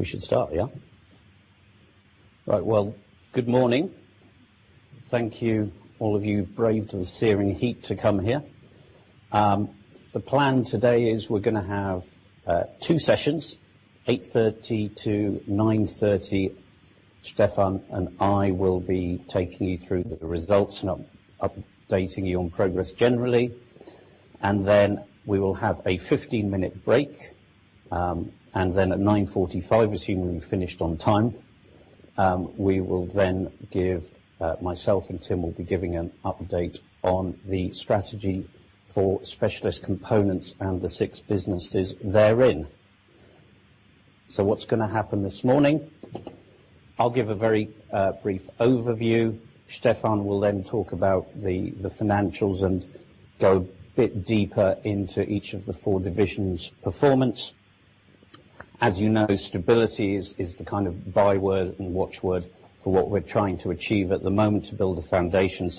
We should start, yeah? Right. Good morning. Thank you all of you who've braved the searing heat to come here. The plan today is we're going to have two sessions, 8:30 A.M. to 9:30 A.M. Stefan and I will be taking you through the results and updating you on progress generally. Then we will have a 15-minute break. Then at 9:45 A.M., assuming we've finished on time, myself and Tim will be giving an update on the strategy for Specialist Components and the six businesses therein. What's going to happen this morning, I'll give a very brief overview. Stefan will then talk about the financials and go a bit deeper into each of the four divisions' performance. As you know, stability is the kind of byword and watchword for what we're trying to achieve at the moment to build a foundation.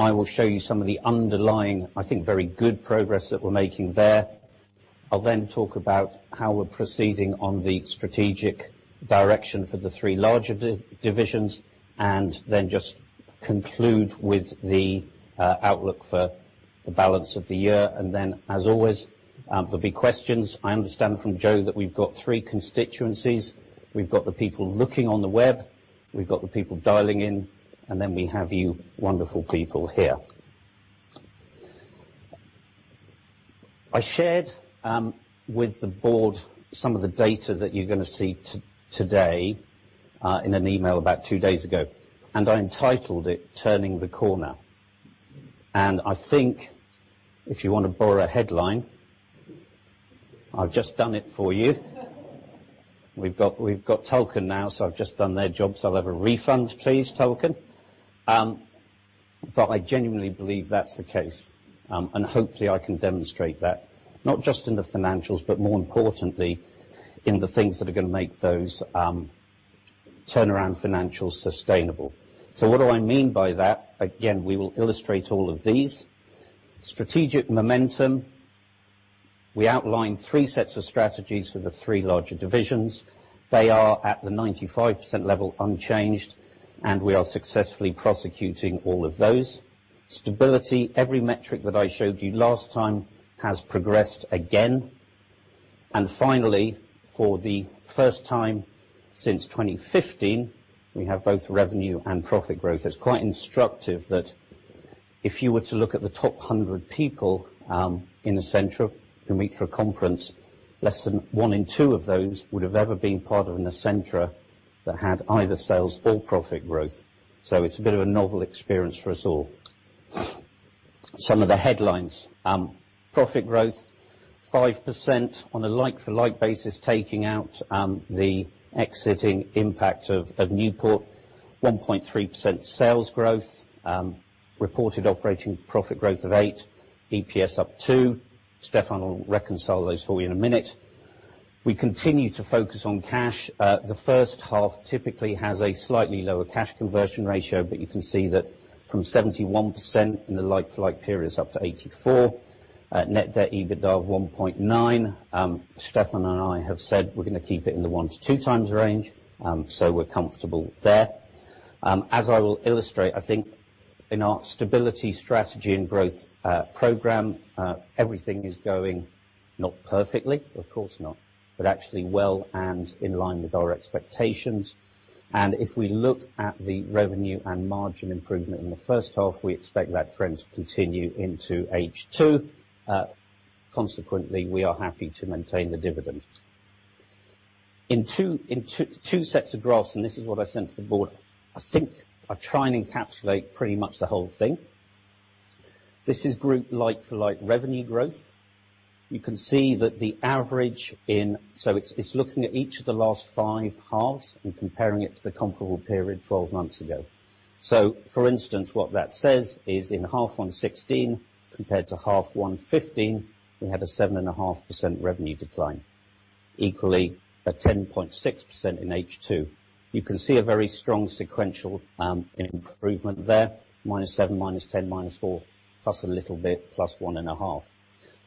I will show you some of the underlying, I think, very good progress that we're making there. I'll then talk about how we're proceeding on the strategic direction for the three larger divisions, then just conclude with the outlook for the balance of the year. Then, as always, there'll be questions. I understand from Joe that we've got three constituencies. We've got the people looking on the web, we've got the people dialing in, and then we have you wonderful people here. I shared with the board some of the data that you're going to see today, in an email about two days ago, and I entitled it "Turning the Corner." I think if you want to borrow a headline, I've just done it for you. We've got Tulchan now, so I've just done their job. I'll have a refund please, Tulchan. I genuinely believe that's the case. Hopefully I can demonstrate that, not just in the financials, but more importantly in the things that are going to make those turnaround financials sustainable. What do I mean by that? Again, we will illustrate all of these. Strategic momentum. We outlined three sets of strategies for the three larger divisions. They are at the 95% level unchanged, and we are successfully prosecuting all of those. Stability. Every metric that I showed you last time has progressed again. Finally, for the first time since 2015, we have both revenue and profit growth. It's quite instructive that if you were to look at the top 100 people in Essentra who meet for a conference, less than one in two of those would have ever been part of an Essentra that had either sales or profit growth. It's a bit of a novel experience for us all. Some of the headlines. Profit growth 5% on a like-for-like basis, taking out the exiting impact of Newport. 1.3% sales growth. Reported operating profit growth of eight. EPS up two. Stefan will reconcile those for you in a minute. We continue to focus on cash. The first half typically has a slightly lower cash conversion ratio, but you can see that from 71% in the like-for-like period, it's up to 84%. Net debt, EBITDA of 1.9x. Stefan and I have said we're going to keep it in the one to two times range. We're comfortable there. As I will illustrate, I think in our stability, strategy, and growth program, everything is going not perfectly, of course not, but actually well and in line with our expectations. If we look at the revenue and margin improvement in H1, we expect that trend to continue into H2. Consequently, we are happy to maintain the dividend. In 2 sets of graphs, this is what I sent to the Board, I think I try and encapsulate pretty much the whole thing. This is group like-for-like revenue growth. You can see that the average in it's looking at each of the last five halves and comparing it to the comparable period 12 months ago. For instance, what that says is in H1 2016 compared to H1 2015, we had a 7.5% revenue decline. Equally, a 10.6% in H2. You can see a very strong sequential improvement there, -7%, -10%, -4%, plus a little bit, +1.5%.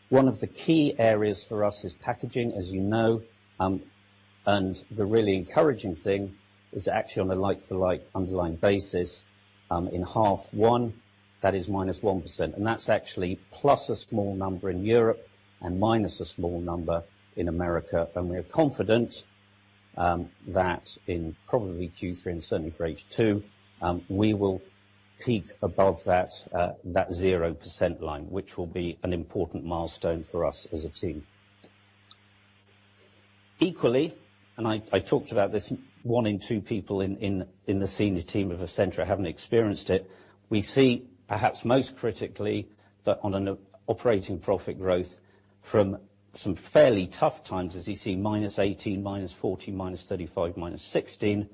One of the key areas for us is Packaging, as you know. The really encouraging thing is actually on a like-for-like underlying basis, in H1, that is -1%. That's actually + a small number in Europe and - a small number in America. We are confident that in probably Q3 and certainly for H2, we will peak above that 0% line, which will be an important milestone for us as a team. Equally, and I talked about this, one in two people in the senior team of Essentra haven't experienced it. We see perhaps most critically, that on an operating profit growth from some fairly tough times, as you see, -18%, -40%, -35%, -16%,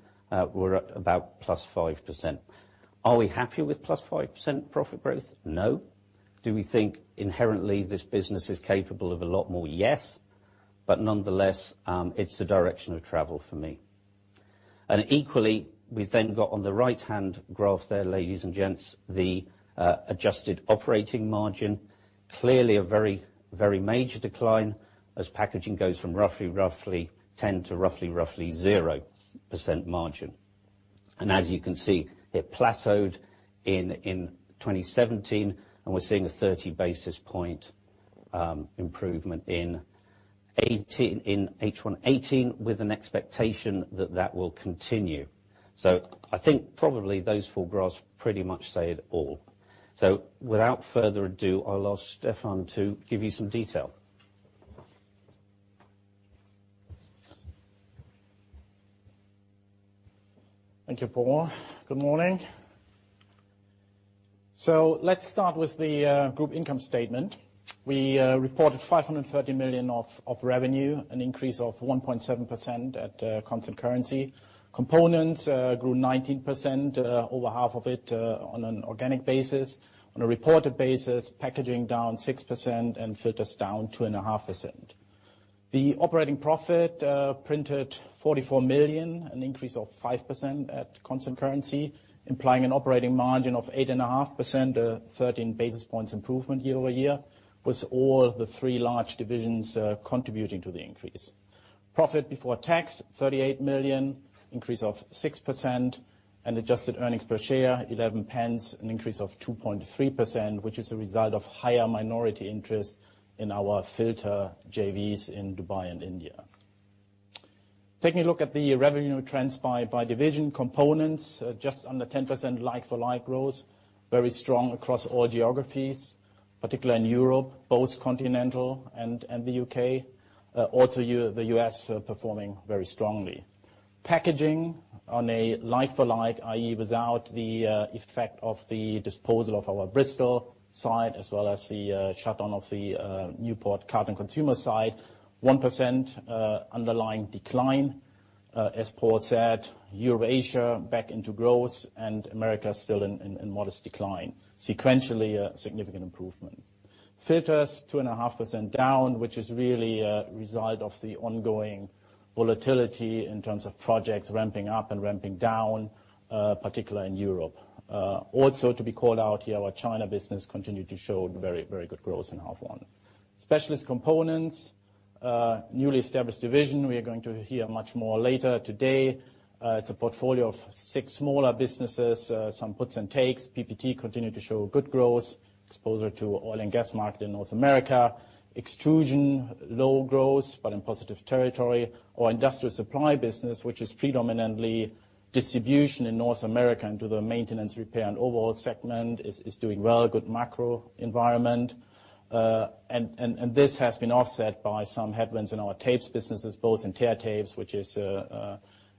we're at about +5%. Are we happy with +5% profit growth? No. Do we think inherently this business is capable of a lot more? Yes. Nonetheless, it's the direction of travel for me. Equally, we've then got on the right-hand graph there, ladies and gents, the adjusted operating margin. Clearly a very major decline as Packaging goes from roughly 10% to roughly 0% margin. As you can see, it plateaued in 2017, and we're seeing a 30 basis points improvement in H1 2018, with an expectation that that will continue. I think probably those four graphs pretty much say it all. Without further ado, I'll ask Stefan to give you some detail. Thank you, Paul. Good morning. Let's start with the group income statement. We reported 530 million of revenue, an increase of 1.7% at constant currency. Components grew 19%, over half of it on an organic basis. On a reported basis, Packaging down 6% and Filters down 2.5%. The operating profit printed 44 million, an increase of 5% at constant currency, implying an operating margin of 8.5%, a 13 basis points improvement year-over-year, with all the 3 large divisions contributing to the increase. Profit before tax 38 million, increase of 6%, and adjusted earnings per share 0.11, an increase of 2.3%, which is a result of higher minority interest in our Filter JVs in Dubai and India. Taking a look at the revenue trends by division Components, just under 10% like-for-like growth. Very strong across all geographies, particularly in Europe, both continental and the U.K. The U.S. performing very strongly. Packaging on a like-for-like, i.e., without the effect of the disposal of our Bristol site as well as the shutdown of the Newport Cartons consumer site, 1% underlying decline. As Paul said, Eurasia back into growth and America still in modest decline. Sequentially, a significant improvement. Filters 2.5% down, which is really a result of the ongoing volatility in terms of projects ramping up and ramping down, particularly in Europe. Also to be called out here, our China business continued to show very good growth in half one. Specialist Components, newly established division. We are going to hear much more later today. It's a portfolio of six smaller businesses. Some puts and takes. PPT continued to show good growth, exposure to oil and gas market in North America. Extrusion, low growth but in positive territory. Our Industrial Supply business, which is predominantly distribution in North America and to the maintenance, repair, and MRO segment, is doing well. Good macro environment. This has been offset by some headwinds in our Tapes businesses, both in Tear Tapes, which is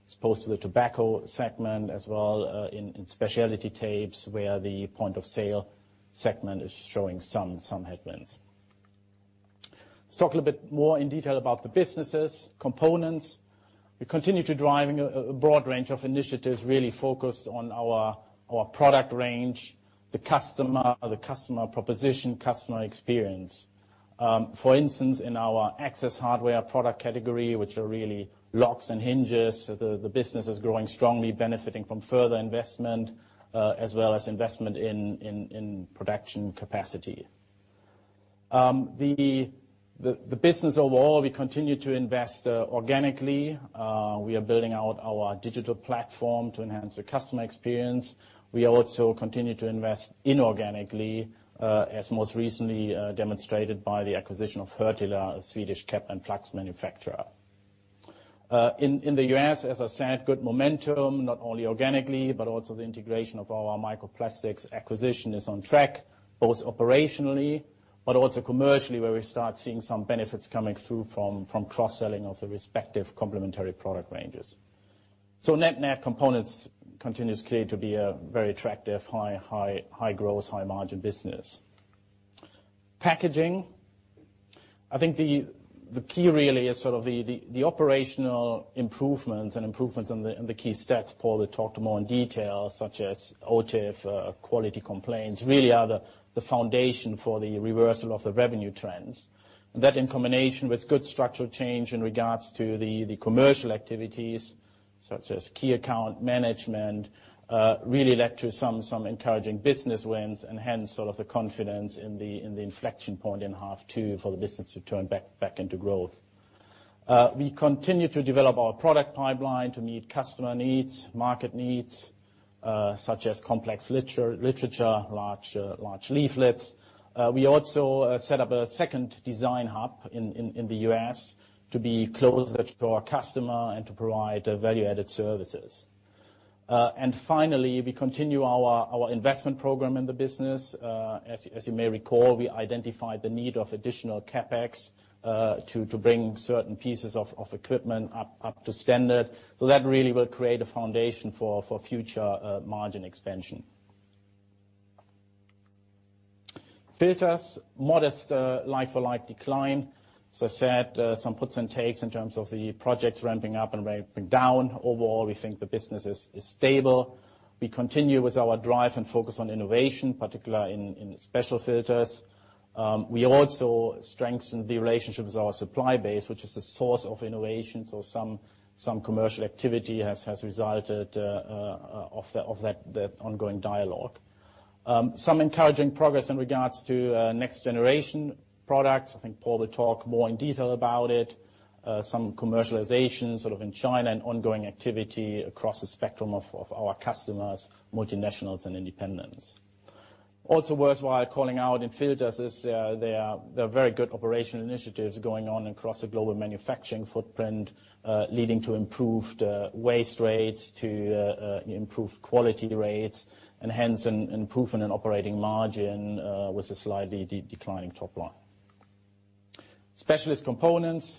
exposed to the tobacco segment as well in specialty tapes where the point of sale segment is showing some headwinds. Let's talk a little bit more in detail about the businesses Components. We continue to drive a broad range of initiatives really focused on our product range, the customer, the customer proposition, customer experience. For instance, in our Access Hardware product category, which are really locks and hinges, the business is growing strongly, benefiting from further investment, as well as investment in production capacity. The business overall, we continue to invest organically. We are building out our digital platform to enhance the customer experience. We also continue to invest inorganically, as most recently demonstrated by the acquisition of Hertila, a Swedish cap and plugs manufacturer. In the U.S., as I said, good momentum, not only organically, but also the integration of our Micro Plastics acquisition is on track, both operationally but also commercially, where we start seeing some benefits coming through from cross-selling of the respective complementary product ranges. Net Components continues clearly to be a very attractive, high growth, high margin business. Packaging. I think the key really is sort of the operational improvements and improvements in the key stats Paul talked about in more detail, such as OTIF, quality complaints, really are the foundation for the reversal of the revenue trends. That in combination with good structural change in regards to the commercial activities such as key account management, really led to some encouraging business wins and hence sort of the confidence in the inflection point in half two for the business to turn back into growth. We continue to develop our product pipeline to meet customer needs, market needs, such as complex literature, large leaflets. We also set up a second design hub in the U.S. to be closer to our customer and to provide value-added services. Finally, we continue our investment program in the business. As you may recall, we identified the need of additional CapEx to bring certain pieces of equipment up to standard. That really will create a foundation for future margin expansion. Filters. Modest like-for-like decline. As I said, some puts and takes in terms of the projects ramping up and ramping down. Overall, we think the business is stable. We continue with our drive and focus on innovation, particularly in special filters. We also strengthened the relationships with our supply base, which is the source of innovations or some commercial activity has resulted of that ongoing dialogue. Some encouraging progress in regards to next generation products. I think Paul will talk more in detail about it. Some commercialization sort of in China and ongoing activity across the spectrum of our customers, multinationals, and independents. Also worthwhile calling out in Filters is, there are very good operational initiatives going on across the global manufacturing footprint, leading to improved waste rates, to improved quality rates, and hence an improvement in operating margin with a slightly declining top line. Specialist Components,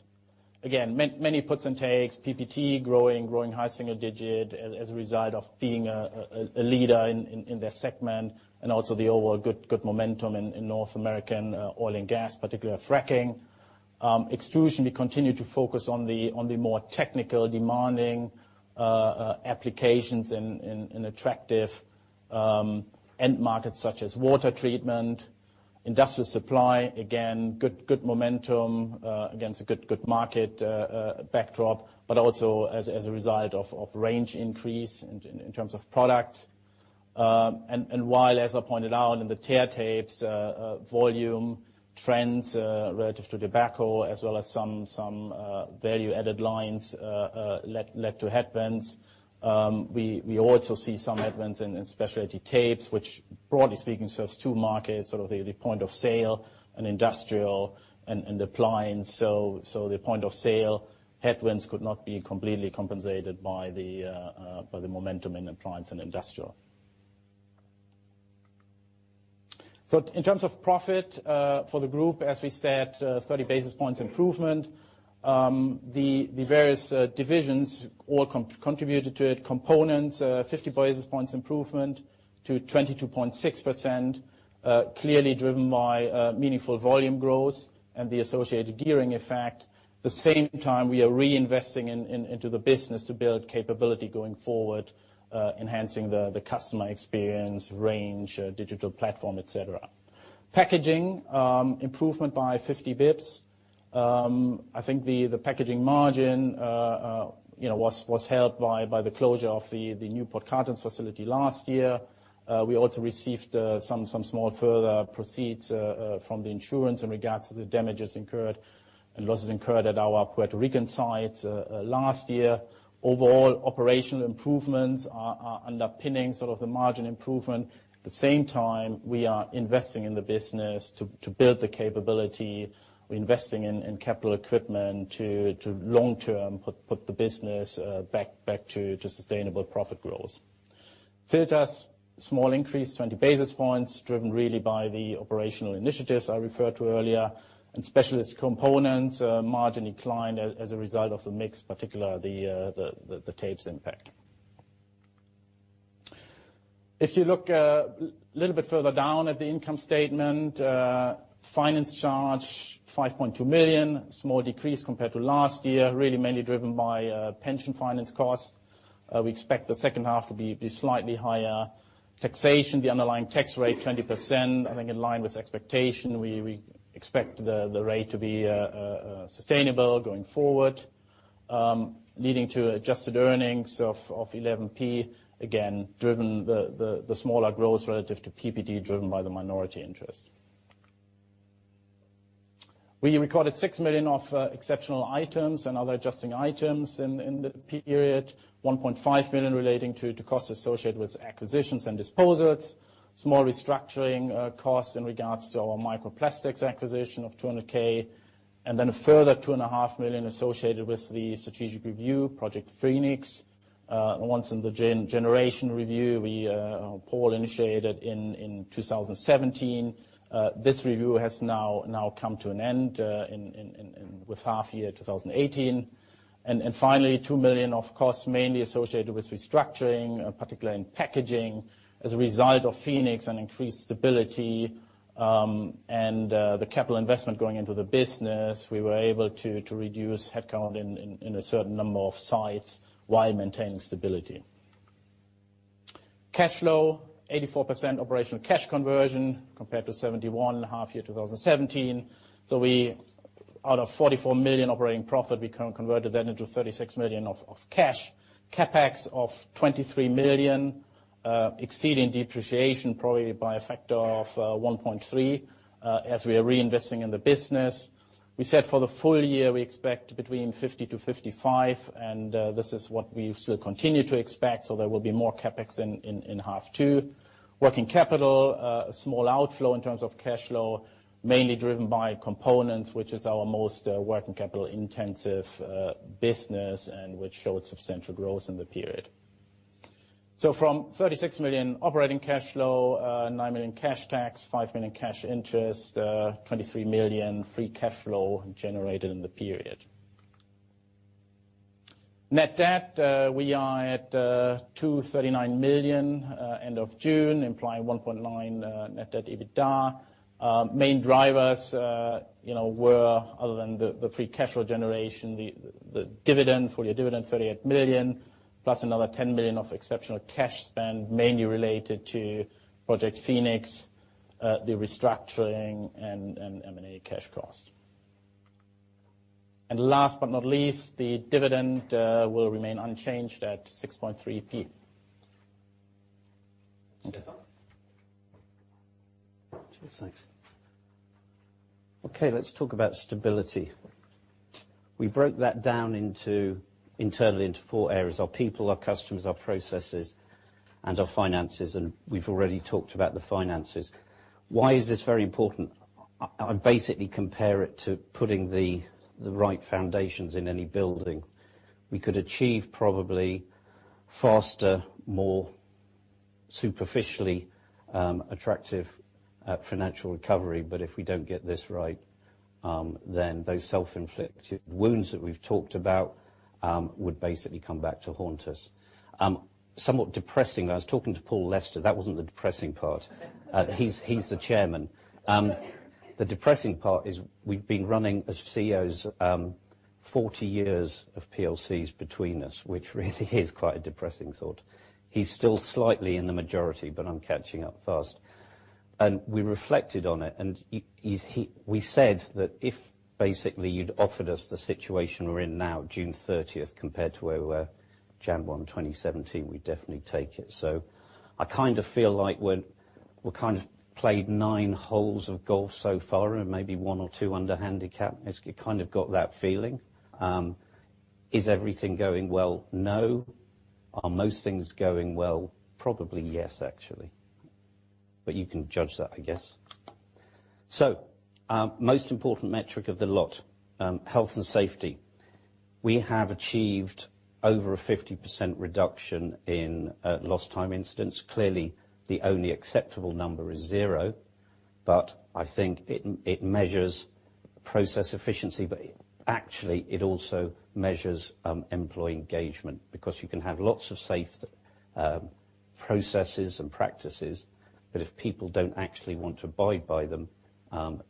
again, many puts and takes. PPT growing high single-digit as a result of being a leader in their segment and also the overall good momentum in North American oil and gas, particularly fracking. Extrusion, we continue to focus on the more technical demanding applications in attractive end markets such as water treatment. Industrial Supply, again, good momentum against a good market backdrop, but also as a result of range increase in terms of products. While, as I pointed out in the Tear Tapes, volume trends relative to tobacco as well as some value-added lines led to headwinds. We also see some headwinds in specialty tapes, which broadly speaking, serves two markets, sort of the point of sale and industrial and appliance. The point of sale headwinds could not be completely compensated by the momentum in appliance and industrial. In terms of profit for the group, as we said, 30 basis points improvement. The various divisions all contributed to it. Components, 50 basis points improvement to 22.6%, clearly driven by meaningful volume growth and the associated gearing effect. At the same time, we are reinvesting into the business to build capability going forward, enhancing the customer experience, range, digital platform, et cetera. Packaging, improvement by 50 basis points. I think the packaging margin was helped by the closure of the Newport Cartons facility last year. We also received some small further proceeds from the insurance in regards to the damages incurred and losses incurred at our Puerto Rican site last year. Overall operational improvements are underpinning sort of the margin improvement. At the same time, we are investing in the business to build the capability. We are investing in capital equipment to long-term put the business back to sustainable profit growth. Filters, small increase, 20 basis points, driven really by the operational initiatives I referred to earlier. Specialist Components, margin decline as a result of the mix, particular the tape's impact. If you look a little bit further down at the income statement, finance charge, 5.2 million, small decrease compared to last year, really mainly driven by pension finance costs. We expect the second half to be slightly higher. Taxation, the underlying tax rate, 20%. I think in line with expectation. We expect the rate to be sustainable going forward, leading to adjusted earnings of 0.11, again, driven the smaller growth relative to PBT driven by the minority interest. We recorded 6 million of exceptional items and other adjusting items in the period, 1.5 million relating to costs associated with acquisitions and disposals, small restructuring costs in regards to our Micro Plastics acquisition of 200K, and then a further two and a half million associated with the strategic review, Project Phoenix. Once in the generation review, Paul initiated in 2017. This review has now come to an end with half year 2018. Finally, 2 million of costs mainly associated with restructuring, particularly in packaging. As a result of Phoenix and increased stability, and the capital investment going into the business, we were able to reduce headcount in a certain number of sites while maintaining stability. Cash flow, 84% operational cash conversion compared to 71% half year 2017. Out of 44 million operating profit, we converted that into 36 million of cash. CapEx of 23 million, exceeding depreciation probably by a factor of 1.3 as we are reinvesting in the business. We said for the full year, we expect between 50 million-55 million, and this is what we still continue to expect. There will be more CapEx in half two. Working capital, a small outflow in terms of cash flow, mainly driven by components, which is our most working capital intensive business and which showed substantial growth in the period. From 36 million operating cash flow, 9 million cash tax, 5 million cash interest, 23 million free cash flow generated in the period. Net debt, we are at 239 million end of June, implying 1.9 net debt EBITDA. Main drivers were, other than the free cash flow generation, the dividend, full year dividend, 38 million, plus another 10 million of exceptional cash spend mainly related to Project Phoenix, the restructuring, and M&A cash cost. Last but not least, the dividend will remain unchanged at 0.063. Stefan? Cheers. Thanks. Okay, let's talk about stability. We broke that down internally into four areas, our people, our customers, our processes, and our finances, and we've already talked about the finances. Why is this very important? I basically compare it to putting the right foundations in any building. We could achieve probably faster, more superficially attractive financial recovery, but if we don't get this right, then those self-inflicted wounds that we've talked about would basically come back to haunt us. Somewhat depressing, I was talking to Paul Lester. That wasn't the depressing part. He's the chairman. The depressing part is we've been running as CEOs, 40 years of PLCs between us, which really is quite a depressing thought. He's still slightly in the majority, but I'm catching up fast. We reflected on it, and we said that if basically you'd offered us the situation we're in now, June 30, compared to where we were January 1, 2017, we'd definitely take it. I kind of feel like we're kind of played nine holes of golf so far and maybe one or two under handicap. It's kind of got that feeling. Is everything going well? No. Are most things going well? Probably yes, actually. You can judge that, I guess. Most important metric of the lot, health and safety. We have achieved over a 50% reduction in lost time incidents. Clearly, the only acceptable number is zero, but I think it measures process efficiency. Actually, it also measures employee engagement because you can have lots of safe processes and practices, but if people don't actually want to abide by them,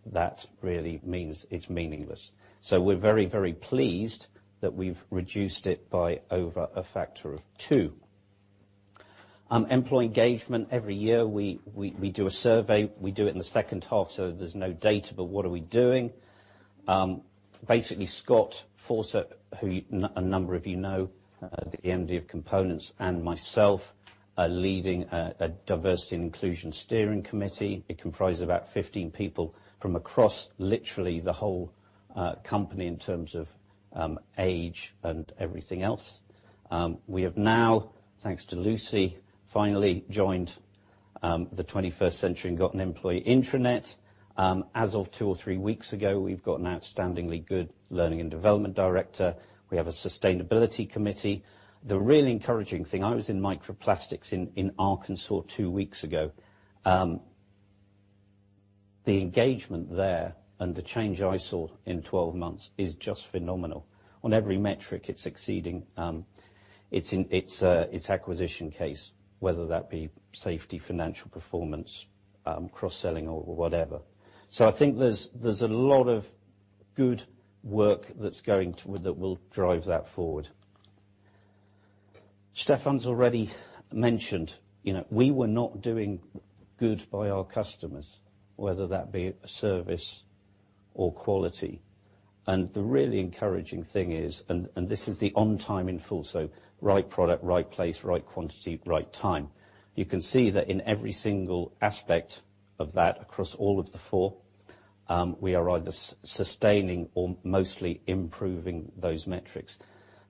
that really means it's meaningless. We're very pleased that we've reduced it by over a factor of two. Employee engagement. Every year we do a survey. We do it in the second half, so there's no data, but what are we doing? Basically, Scott Fawcett, who a number of you know, the MD of Components, and myself are leading a diversity and inclusion steering committee. It comprises about 15 people from across literally the whole company in terms of age and everything else. We have now, thanks to Lucy, finally joined the 21st century and got an employee intranet. As of two or three weeks ago, we've got an outstandingly good learning and development director. We have a sustainability committee. The really encouraging thing, I was in Micro Plastics in Arkansas two weeks ago. The engagement there and the change I saw in 12 months is just phenomenal. On every metric, it's exceeding its acquisition case, whether that be safety, financial performance, cross-selling, or whatever. I think there's a lot of good work that will drive that forward. Stefan's already mentioned we were not doing good by our customers, whether that be service or quality. The really encouraging thing is, and this is the on time in full, so right product, right place, right quantity, right time. You can see that in every single aspect of that, across all of the four, we are either sustaining or mostly improving those metrics.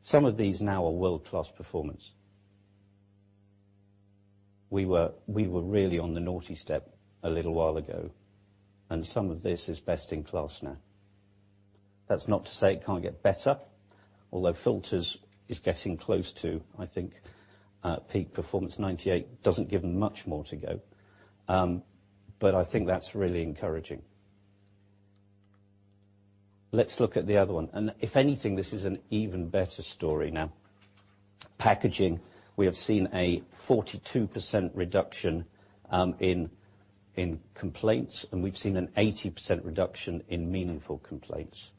Some of these now are world-class performance. We were really on the naughty step a little while ago, and some of this is best in class now. That's not to say it can't get better, although Filters is getting close to, I think, peak performance. 98 doesn't give them much more to go. I think that's really encouraging. Let's look at the other one. If anything, this is an even better story now. Packaging, we have seen a 42% reduction in complaints, and we've seen an 80% reduction in meaningful complaints.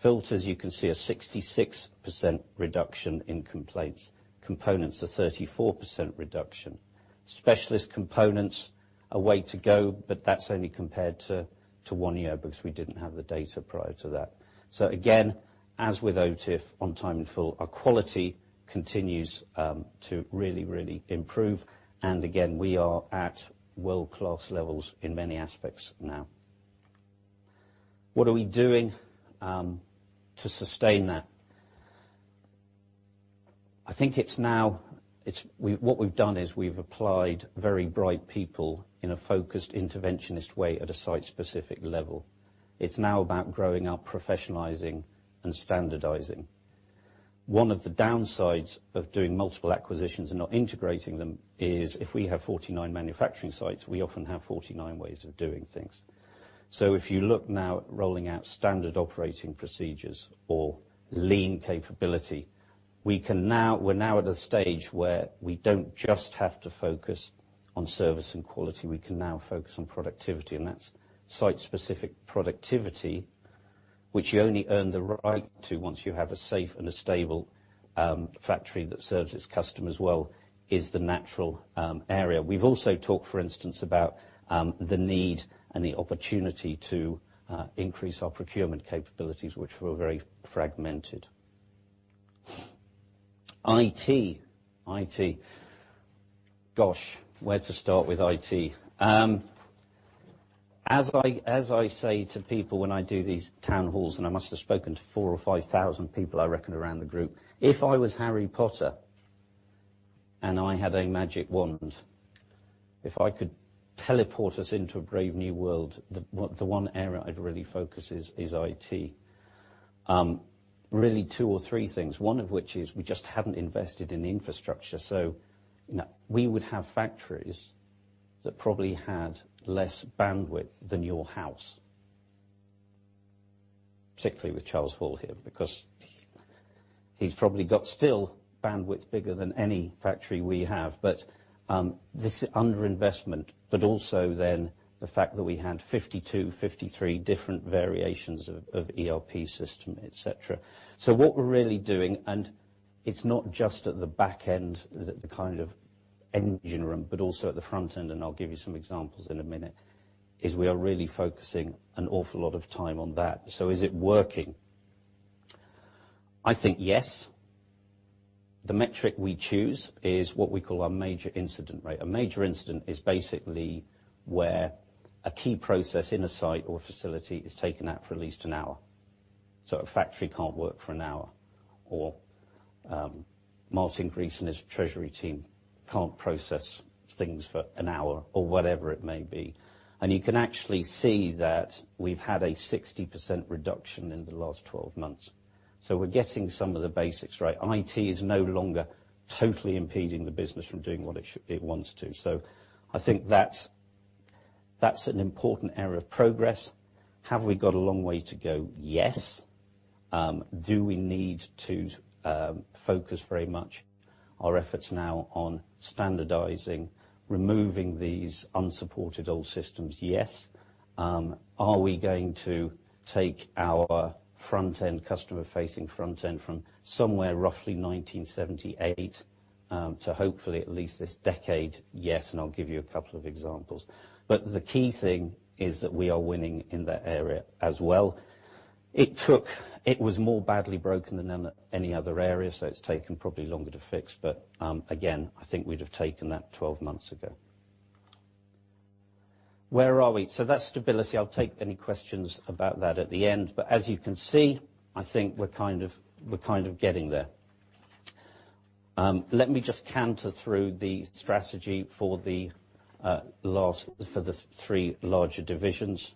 Filters, you can see a 66% reduction in complaints. Components, a 34% reduction. Specialist Components, a way to go, but that's only compared to one year because we didn't have the data prior to that. Again, as with OTIF, on time in full, our quality continues to really improve. Again, we are at world-class levels in many aspects now. What are we doing to sustain that? I think what we've done is we've applied very bright people in a focused interventionist way at a site-specific level. It's now about growing our professionalizing and standardizing. One of the downsides of doing multiple acquisitions and not integrating them is if we have 49 manufacturing sites, we often have 49 ways of doing things. If you look now at rolling out standard operating procedures or lean capability, we're now at a stage where we don't just have to focus on service and quality. We can now focus on productivity, and that's site-specific productivity, which you only earn the right to once you have a safe and a stable factory that serves its customers well, is the natural area. We've also talked, for instance, about the need and the opportunity to increase our procurement capabilities, which were very fragmented. IT. Gosh, where to start with IT? As I say to people when I do these town halls, and I must have spoken to 4,000 or 5,000 people, I reckon, around the group, if I was Harry Potter and I had a magic wand, if I could teleport us into a brave new world, the one area I'd really focus is IT. Really two or three things, one of which is we just haven't invested in the infrastructure. We would have factories that probably had less bandwidth than your house, particularly with Charles Hall here, because he's probably got still bandwidth bigger than any factory we have. This under-investment, but also then the fact that we had 52, 53 different variations of ERP system, et cetera. What we're really doing, and it's not just at the back end, the kind of engine room, but also at the front end, and I'll give you some examples in a minute, is we are really focusing an awful lot of time on that. Is it working? I think yes. The metric we choose is what we call our major incident rate. A major incident is basically where a key process in a site or facility is taken out for at least an hour. A factory can't work for an hour, or Martin Green and his treasury team can't process things for an hour, or whatever it may be. You can actually see that we've had a 60% reduction in the last 12 months. We're getting some of the basics right. IT is no longer totally impeding the business from doing what it wants to. I think that's an important area of progress. Have we got a long way to go? Yes. Do we need to focus very much our efforts now on standardizing, removing these unsupported old systems? Yes. Are we going to take our front end, customer facing front end from somewhere roughly 1978, to hopefully at least this decade? Yes, and I'll give you a couple of examples. The key thing is that we are winning in that area as well. It was more badly broken than any other area, so it's taken probably longer to fix, but, again, I think we'd have taken that 12 months ago. Where are we? That's stability. I'll take any questions about that at the end. As you can see, I think we're kind of getting there. Let me just canter through the strategy for the three larger divisions.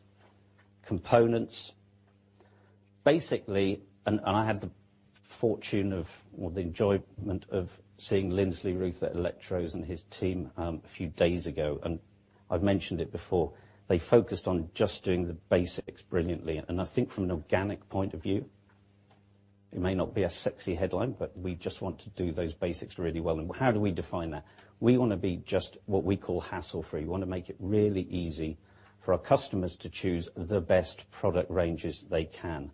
Components. I had the fortune of, or the enjoyment of seeing Lindsley Ruth at Electros and his team a few days ago, I've mentioned it before. They focused on just doing the basics brilliantly. I think from an organic point of view, it may not be a sexy headline, we just want to do those basics really well. How do we define that? We want to be just what we call hassle-free. We want to make it really easy for our customers to choose the best product ranges they can.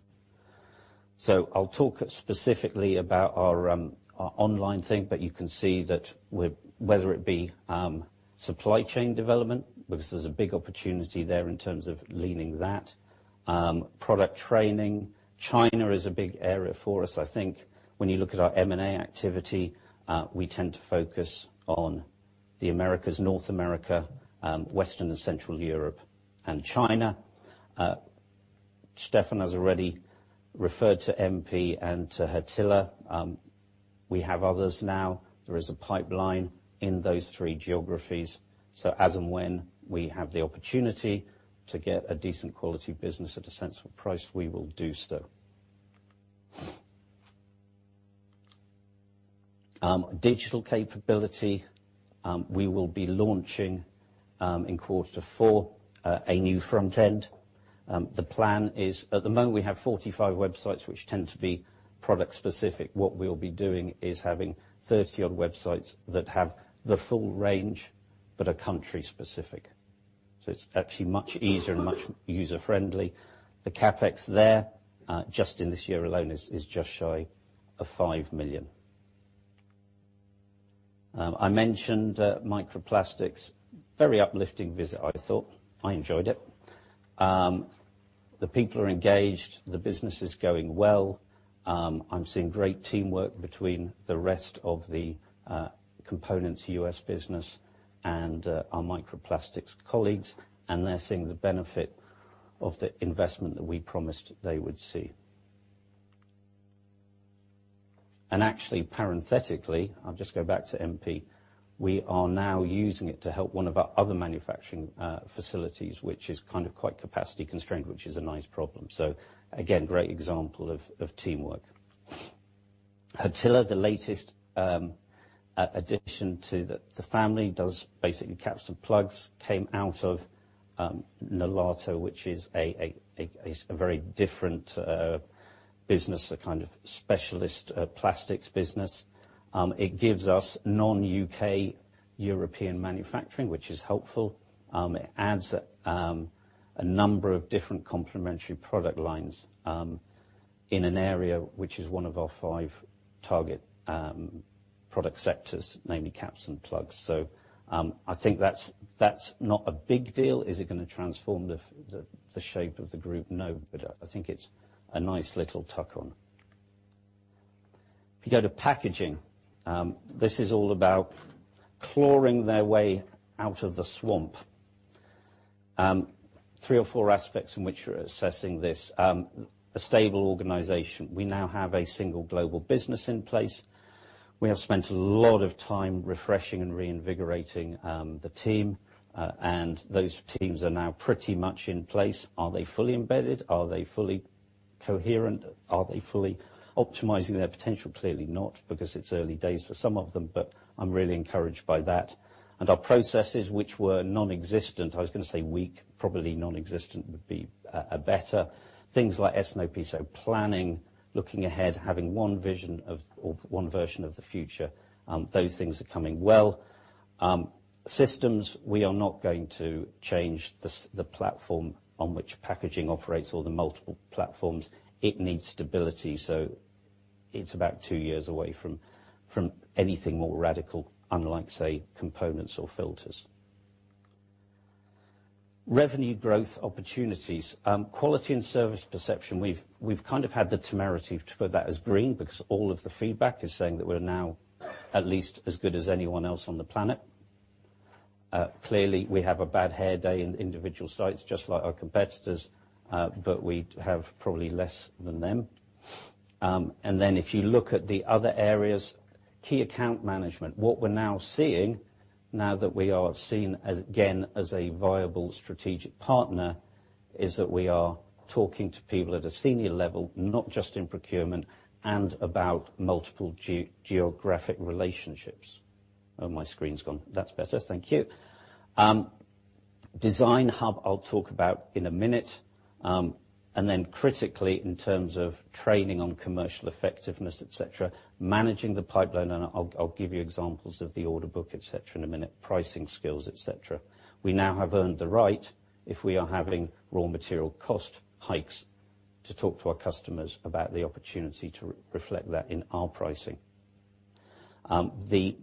I'll talk specifically about our online thing, you can see that whether it be supply chain development, because there's a big opportunity there in terms of leaning that, product training. China is a big area for us. I think when you look at our M&A activity, we tend to focus on the Americas, North America, Western and Central Europe, and China. Stefan has already referred to MP and to Hertila. We have others now. There is a pipeline in those three geographies. As and when we have the opportunity to get a decent quality business at a sensible price, we will do so. Digital capability. We will be launching, in quarter four, a new front end. The plan is, at the moment we have 45 websites which tend to be product specific. What we'll be doing is having 30-odd websites that have the full range, are country specific. It's actually much easier and much user friendly. The CapEx there, just in this year alone, is just shy of 5 million. I mentioned Micro Plastics. Very uplifting visit, I thought. I enjoyed it. The people are engaged. The business is going well. I'm seeing great teamwork between the rest of the components U.S. business and our Micro Plastics colleagues, they're seeing the benefit of the investment that we promised they would see. Actually parenthetically, I'll just go back to MP, we are now using it to help one of our other manufacturing facilities, which is kind of quite capacity constrained, which is a nice problem. Again, great example of teamwork. Hertila, the latest addition to the family, does basically caps and plugs, came out of Nolato, which is a very different business, a kind of specialist plastics business. It gives us non-U.K. European manufacturing, which is helpful. It adds a number of different complementary product lines in an area which is one of our five target Product sectors, namely caps and plugs. I think that's not a big deal. Is it going to transform the shape of the group? No. I think it's a nice little tuck-on. If you go to packaging, this is all about clawing their way out of the swamp. Three or four aspects in which we're assessing this. A stable organization. We now have a single global business in place. We have spent a lot of time refreshing and reinvigorating the team, those teams are now pretty much in place. Are they fully embedded? Are they fully coherent? Are they fully optimizing their potential? Clearly not, because it's early days for some of them, I'm really encouraged by that, our processes, which were nonexistent, I was going to say weak, probably nonexistent, would be better. Things like S&OP, planning, looking ahead, having one version of the future, those things are coming well. We are not going to change the platform on which packaging operates or the multiple platforms. It needs stability. It is about two years away from anything more radical, unlike, say, Components or Filters. Revenue growth opportunities. Quality and service perception, we have kind of had the temerity to put that as green because all of the feedback is saying that we are now at least as good as anyone else on the planet. Clearly, we have a bad hair day in individual sites, just like our competitors. We have probably less than them. Key account management. What we are now seeing, now that we are seen again as a viable strategic partner, is that we are talking to people at a senior level, not just in procurement, and about multiple geographic relationships. My screen is gone. That is better. Thank you. Design Hub, I will talk about in a minute. Critically, in terms of training on commercial effectiveness, et cetera, managing the pipeline, and I will give you examples of the order book, et cetera, in a minute, pricing skills, et cetera. We now have earned the right, if we are having raw material cost hikes, to talk to our customers about the opportunity to reflect that in our pricing. The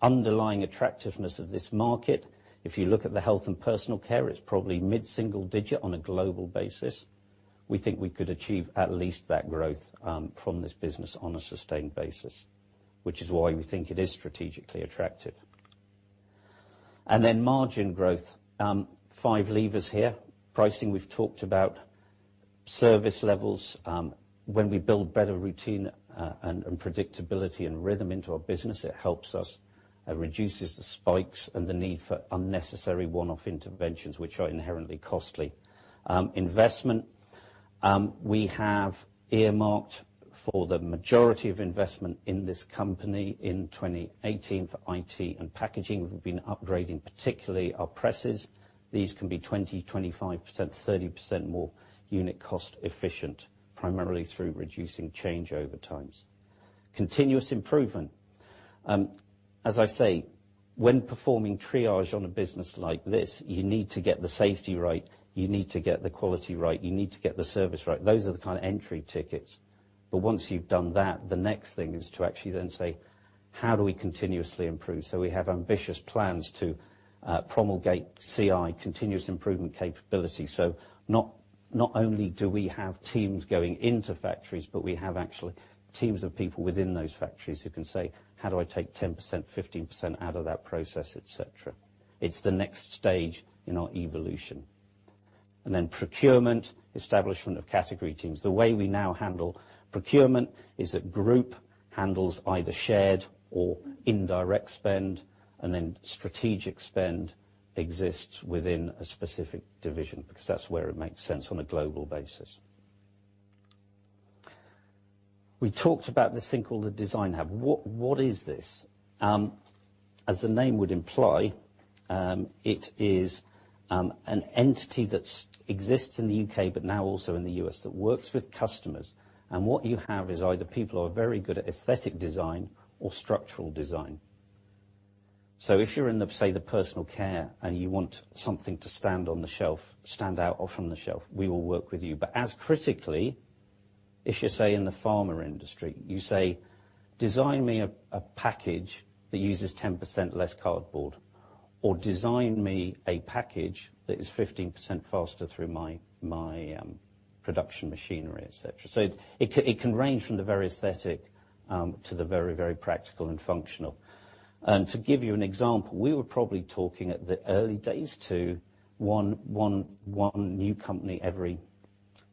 underlying attractiveness of this market, if you look at the health and personal care, it is probably mid-single-digit on a global basis. We think we could achieve at least that growth from this business on a sustained basis, which is why we think it is strategically attractive. Margin growth. Five levers here. Pricing we have talked about. Service levels, when we build better routine and predictability and rhythm into our business, it helps us. It reduces the spikes and the need for unnecessary one-off interventions, which are inherently costly. Investment. We have earmarked for the majority of investment in this company in 2018 for IT and packaging. We have been upgrading particularly our presses. These can be 20%, 25%, 30% more unit cost efficient, primarily through reducing changeover times. Continuous improvement. As I say, when performing triage on a business like this, you need to get the safety right, you need to get the quality right, you need to get the service right. Those are the kind of entry tickets. Once you have done that, the next thing is to actually then say, "How do we continuously improve?" We have ambitious plans to promulgate CI, Continuous Improvement capability. Not only do we have teams going into factories, but we have actually teams of people within those factories who can say, "How do I take 10%, 15% out of that process?" Et cetera. It is the next stage in our evolution. Procurement, establishment of category teams. The way we now handle procurement is that group handles either shared or indirect spend, and then strategic spend exists within a specific division, because that is where it makes sense on a global basis. We talked about this thing called the Design Hub. What is this? As the name would imply, it is an entity that exists in the U.K., but now also in the U.S., that works with customers. What you have is either people who are very good at aesthetic design or structural design. If you're in, say, the personal care and you want something to stand out on the shelf, we will work with you. As critically, if you say in the pharma industry, you say, "Design me a package that uses 10% less cardboard," or "Design me a package that is 15% faster through my production machinery," et cetera. It can range from the very aesthetic to the very practical and functional. To give you an example, we were probably talking at the early days to 1 new company every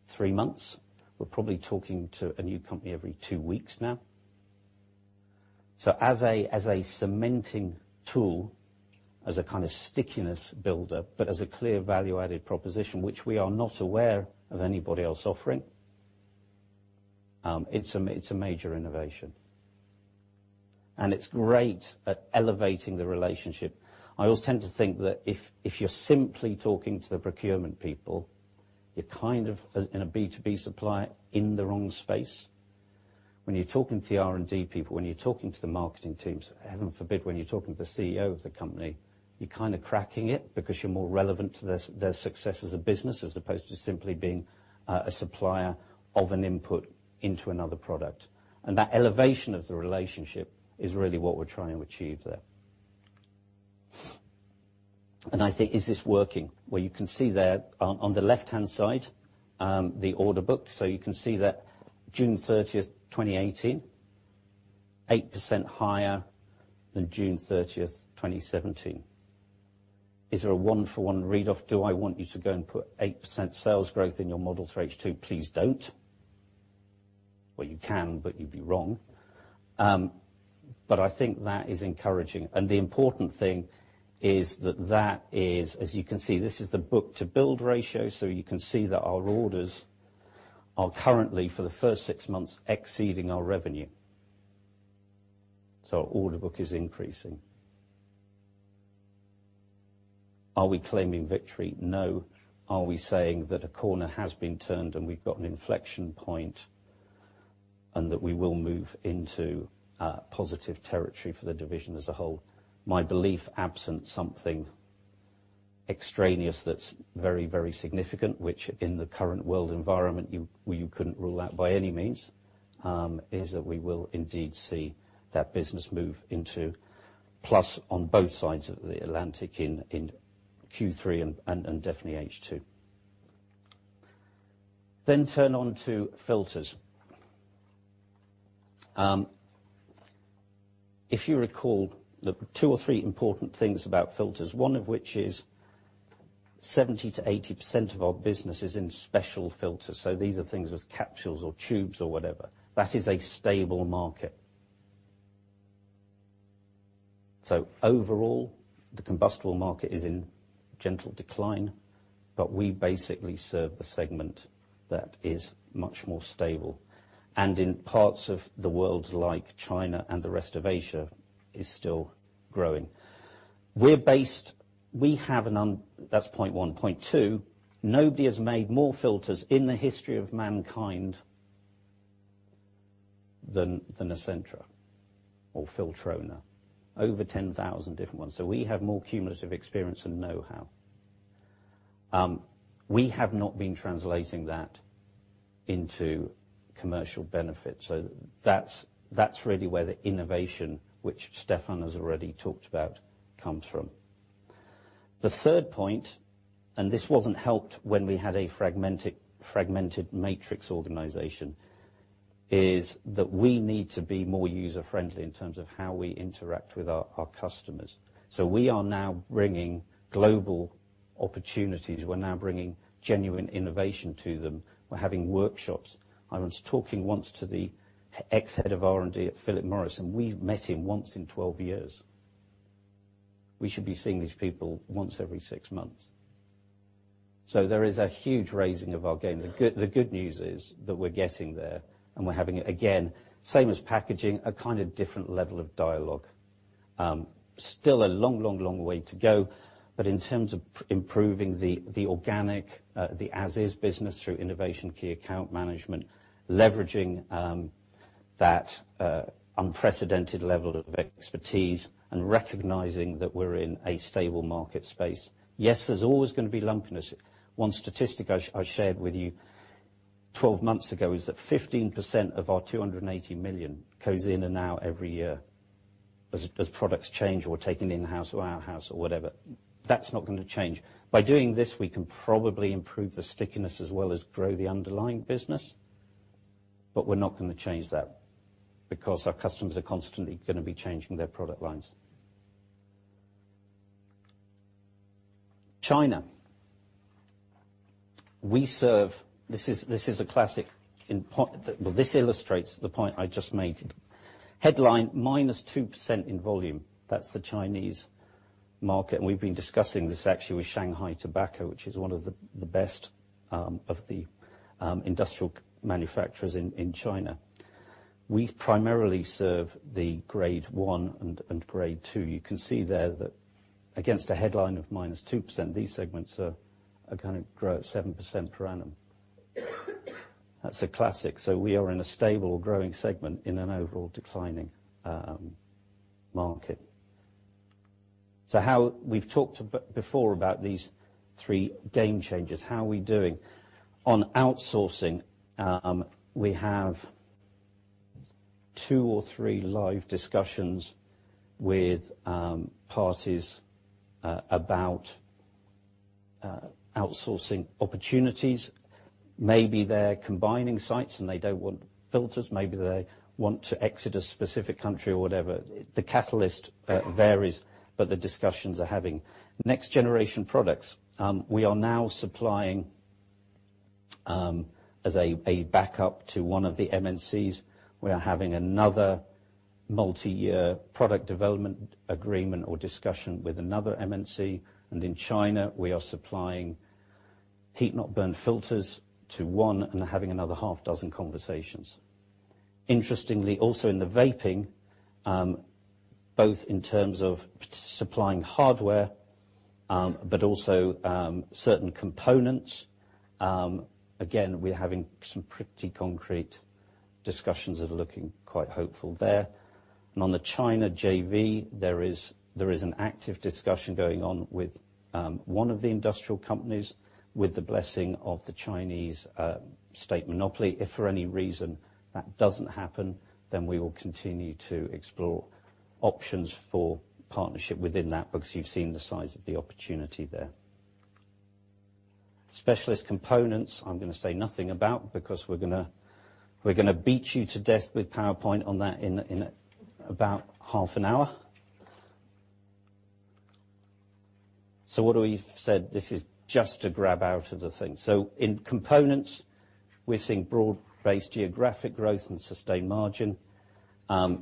3 months. We're probably talking to a new company every 2 weeks now. As a cementing tool, as a kind of stickiness builder, but as a clear value-added proposition, which we are not aware of anybody else offering, it's a major innovation. It's great at elevating the relationship. I always tend to think that if you're simply talking to the procurement people, you're kind of in a B2B supplier in the wrong space. When you're talking to the R&D people, when you're talking to the marketing teams, heaven forbid, when you're talking to the CEO of the company, you're kind of cracking it because you're more relevant to their success as a business, as opposed to simply being a supplier of an input into another product. That elevation of the relationship is really what we're trying to achieve there. I think, is this working? Well, you can see there on the left-hand side, the order book. You can see that June 30th, 2018, 8% higher than June 30th, 2017. Is there a one-for-one read off? Do I want you to go and put 8% sales growth in your model for H2? Please don't. Well, you can, you'd be wrong. I think that is encouraging. The important thing is that that is, as you can see, this is the book-to-bill ratio. You can see that our orders are currently, for the first six months, exceeding our revenue. Our order book is increasing. Are we claiming victory? No. Are we saying that a corner has been turned, and we've got an inflection point, and that we will move into positive territory for the division as a whole? My belief, absent something extraneous that's very significant, which in the current world environment, you couldn't rule out by any means, is that we will indeed see that business move into plus on both sides of the Atlantic in Q3 and definitely H2. Turn on to filters. If you recall, there were 2 or 3 important things about filters, 1 of which is 70%-80% of our business is in special filters. These are things with capsules or tubes or whatever. That is a stable market. Overall, the combustible market is in gentle decline, we basically serve the segment that is much more stable, and in parts of the world like China and the rest of Asia is still growing. That's point 1. Point 2, nobody has made more filters in the history of mankind than Essentra or Filtrona. Over 10,000 different ones. We have more cumulative experience and know-how. We have not been translating that into commercial benefit. That's really where the innovation, which Stefan has already talked about, comes from. The third point, this wasn't helped when we had a fragmented matrix organization, is that we need to be more user-friendly in terms of how we interact with our customers. We are now bringing global opportunities. We're now bringing genuine innovation to them. We're having workshops. I was talking once to the ex-head of R&D at Philip Morris, we've met him once in 12 years. We should be seeing these people once every six months. There is a huge raising of our game. The good news is that we're getting there, and we're having, again, same as packaging, a kind of different level of dialogue. Still a long way to go, but in terms of improving the organic, the as-is business through innovation, key account management, leveraging that unprecedented level of expertise and recognizing that we're in a stable market space. Yes, there's always going to be lumpiness. One statistic I shared with you 12 months ago is that 15% of our 280 million goes in and out every year as products change or taken in-house or out-house or whatever. That's not going to change. By doing this, we can probably improve the stickiness as well as grow the underlying business, but we're not going to change that because our customers are constantly going to be changing their product lines. China. This illustrates the point I just made. Headline, -2% in volume. That's the Chinese market. We've been discussing this actually with Shanghai Tobacco, which is one of the best of the industrial manufacturers in China. We primarily serve the grade 1 and grade 2. You can see there that against a headline of -2%, these segments grow at 7% per annum. That's a classic. We are in a stable growing segment in an overall declining market. We've talked before about these three game changers. How are we doing? On outsourcing, we have two or three live discussions with parties about outsourcing opportunities. Maybe they're combining sites and they don't want filters. Maybe they want to exit a specific country or whatever. The catalyst varies, but the discussions are happening. Next generation products. We are now supplying as a backup to one of the MNCs. We are having another multi-year product development agreement or discussion with another MNC. In China, we are supplying heat-not-burn filters to one and having another half dozen conversations. Interestingly, also in the vaping, both in terms of supplying hardware. Also certain components. We're having some pretty concrete discussions that are looking quite hopeful there. On the China JV, there is an active discussion going on with one of the industrial companies, with the blessing of the Chinese state monopoly. If for any reason that doesn't happen, then we will continue to explore options for partnership within that, because you've seen the size of the opportunity there. Specialist Components, I'm going to say nothing about because we're going to beat you to death with PowerPoint on that in about half an hour. What we've said, this is just to grab out of the thing. In components, we're seeing broad-based geographic growth and sustained margin. I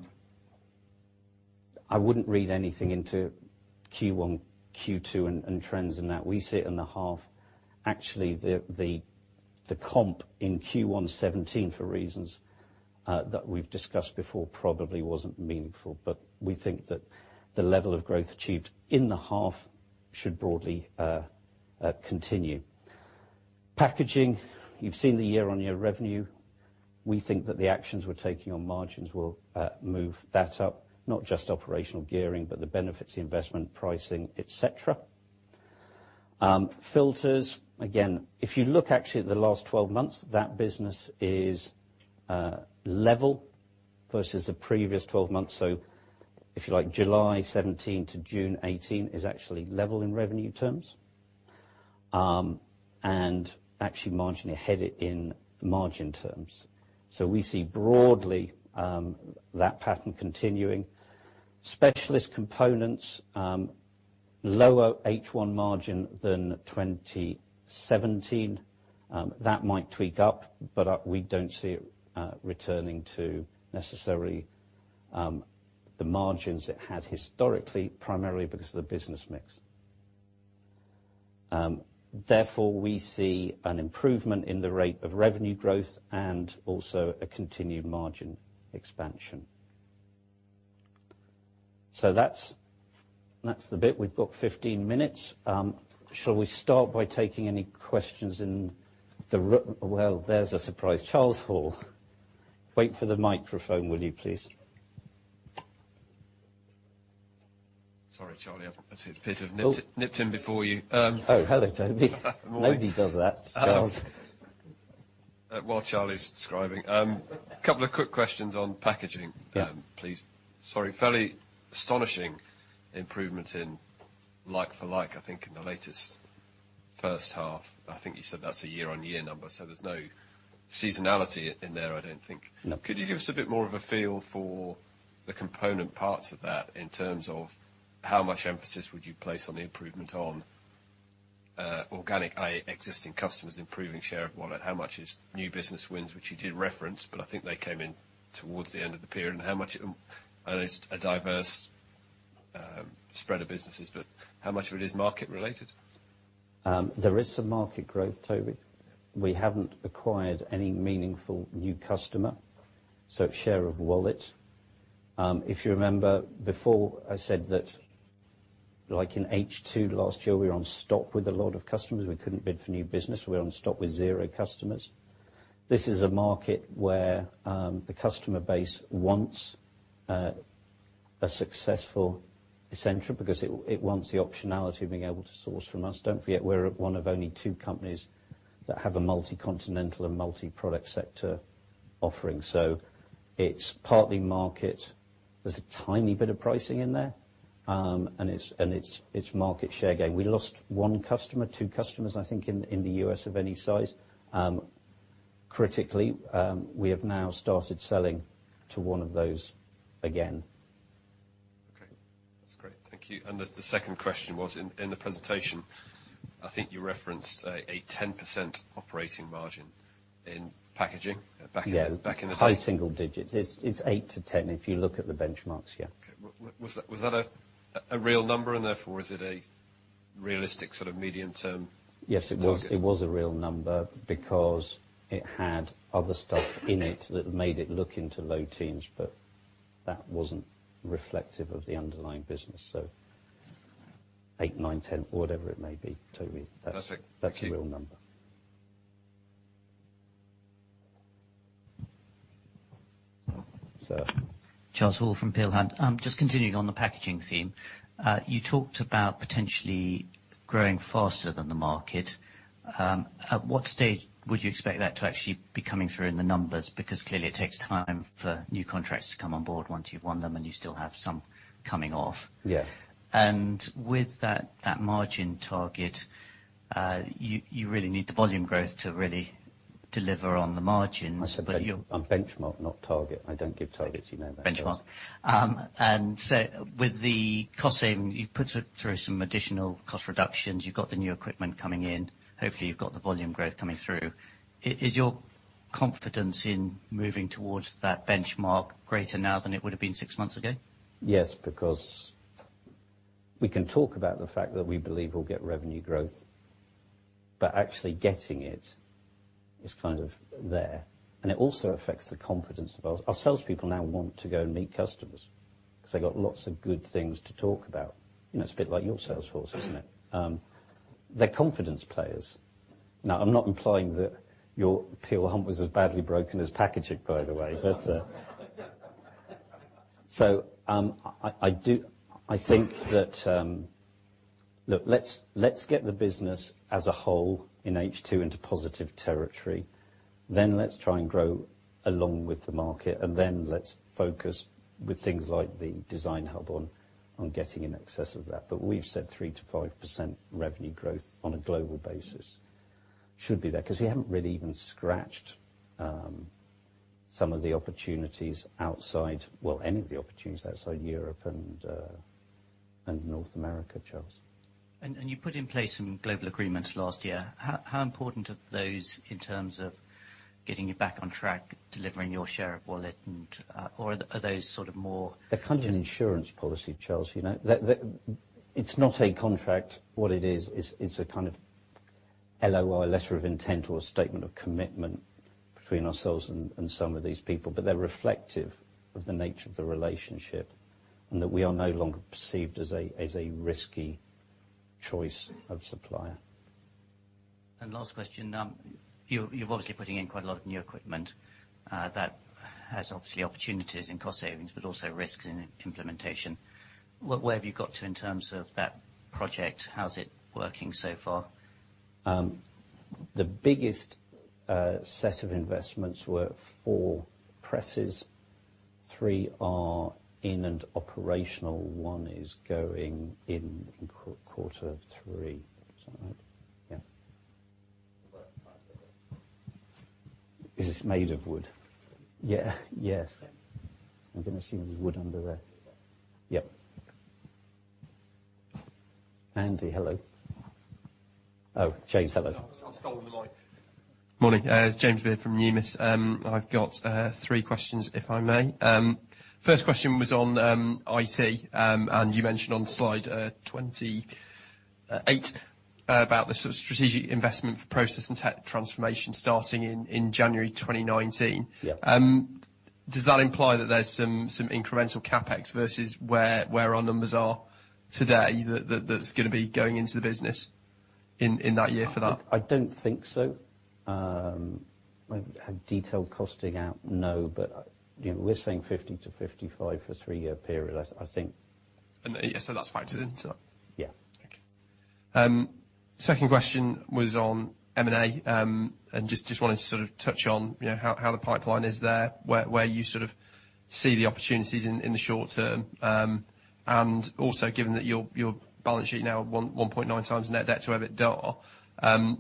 wouldn't read anything into Q1, Q2, and trends in that. We sit in the half. Actually, the comp in Q1 2017, for reasons that we've discussed before, probably wasn't meaningful. We think that the level of growth achieved in the half should broadly continue. Packaging, you've seen the year-on-year revenue. We think that the actions we're taking on margins will move that up. Not just operational gearing, but the benefits investment, pricing, et cetera. Filters, again, if you look actually at the last 12 months, that business is level versus the previous 12 months. If you like, July 2017 to June 2018 is actually level in revenue terms. Actually margin ahead in margin terms. We see broadly that pattern continuing. Specialist Components, lower H1 margin than 2017. That might tweak up, but we don't see it returning to necessarily the margins it had historically, primarily because of the business mix. Therefore, we see an improvement in the rate of revenue growth and also a continued margin expansion. That's the bit. We've got 15 minutes. Shall we start by taking any questions in the Well, there's a surprise. Charles Hall. Wait for the microphone, will you, please? Sorry, Charlie, I see Peter. Oh nipped in before you. Oh, hello, Toby. Morning. Nobody does that, Charles. While Charlie's describing. Couple of quick questions on packaging- Yeah please. Sorry, fairly astonishing improvement in like for like, I think in the latest first half. I think you said that's a year-on-year number, so there's no seasonality in there, I don't think. No. Could you give us a bit more of a feel for the component parts of that in terms of how much emphasis would you place on the improvement on organic, existing customers improving share of wallet? How much is new business wins, which you did reference, but I think they came in towards the end of the period. How much I know it's a diverse spread of businesses, but how much of it is market related? There is some market growth, Toby. We haven't acquired any meaningful new customer, so share of wallet. If you remember before, I said that like in H2 last year, we were on stop with a lot of customers. We couldn't bid for new business. We were on stop with zero customers. This is a market where the customer base wants a successful Essentra because it wants the optionality of being able to source from us. Don't forget, we're at one of only two companies that have a multi-continental and multi-product sector offering. It's partly market. There's a tiny bit of pricing in there. It's market share gain. We lost one customer, two customers, I think, in the U.S. of any size. Critically, we have now started selling to one of those again. Okay. That's great. Thank you. The second question was in the presentation, I think you referenced a 10% operating margin in packaging back in the day. Yeah. High single digits. It's eight to 10 if you look at the benchmarks, yeah. Okay. Was that a real number and therefore, is it a realistic sort of medium term target? Yes, it was a real number because it had other stuff in it that made it look into low teens, but that wasn't reflective of the underlying business. eight, nine, 10, whatever it may be, Toby. Perfect. Thank you. That's a real number. Sir. Charles Hall from Peel Hunt. Just continuing on the packaging theme. You talked about potentially growing faster than the market. At what stage would you expect that to actually be coming through in the numbers? Clearly it takes time for new contracts to come on board once you've won them, and you still have some coming off. Yeah. With that margin target, you really need the volume growth to really deliver on the margins. I said benchmark, not target. I don't give targets, you know that, Charles. Benchmark. With the costing, you put through some additional cost reductions. You've got the new equipment coming in. Hopefully you've got the volume growth coming through. Is your confidence in moving towards that benchmark greater now than it would've been six months ago? Yes, we can talk about the fact that we believe we'll get revenue growth. Actually getting it is kind of there. It also affects the confidence of our salespeople. Our salespeople now want to go and meet customers because they've got lots of good things to talk about. It's a bit like your sales force, isn't it? They're confidence players. I'm not implying that your Peel Hunt was as badly broken as packaging, by the way. I think that, look, let's get the business as a whole in H2 into positive territory. Let's try and grow along with the market, and let's focus with things like the design hub on getting in excess of that. We've said 3%-5% revenue growth on a global basis should be there. We haven't really even scratched some of the opportunities outside, well, any of the opportunities outside Europe and North America, Charles. You put in place some global agreements last year. How important are those in terms of getting you back on track, delivering your share of wallet, or are those sort of more? They're kind of an insurance policy, Charles. It's not a contract. What it is a kind of LOI, letter of intent, or a statement of commitment between ourselves and some of these people. They're reflective of the nature of the relationship, and that we are no longer perceived as a risky choice of supplier. Last question. You're obviously putting in quite a lot of new equipment that has obviously opportunities in cost savings, but also risks in implementation. Where have you got to in terms of that project? How's it working so far? The biggest set of investments were four presses. Three are in and operational. One is going in quarter three. Is that right? Yeah. This is made of wood. Yeah. Yes. I'm going to assume there's wood under there. Yep. Andy, hello. Oh, James. Hello. Someone stole the mic. Morning. It's James Beard from Numis. I've got three questions, if I may. First question was on IT. You mentioned on slide 28 about the sort of strategic investment for process and tech transformation starting in January 2019. Yep. Does that imply that there's some incremental CapEx versus where our numbers are today, that's going to be going into the business in that year for that? I don't think so. Have detailed costing out? No. We're saying 50-55 for a three-year period. That's factored into that? Yeah. Okay. Second question was on M&A. Just wanted to sort of touch on how the pipeline is there. Where you sort of see the opportunities in the short term. Also given that your balance sheet now 1.9 times net debt to EBITDA,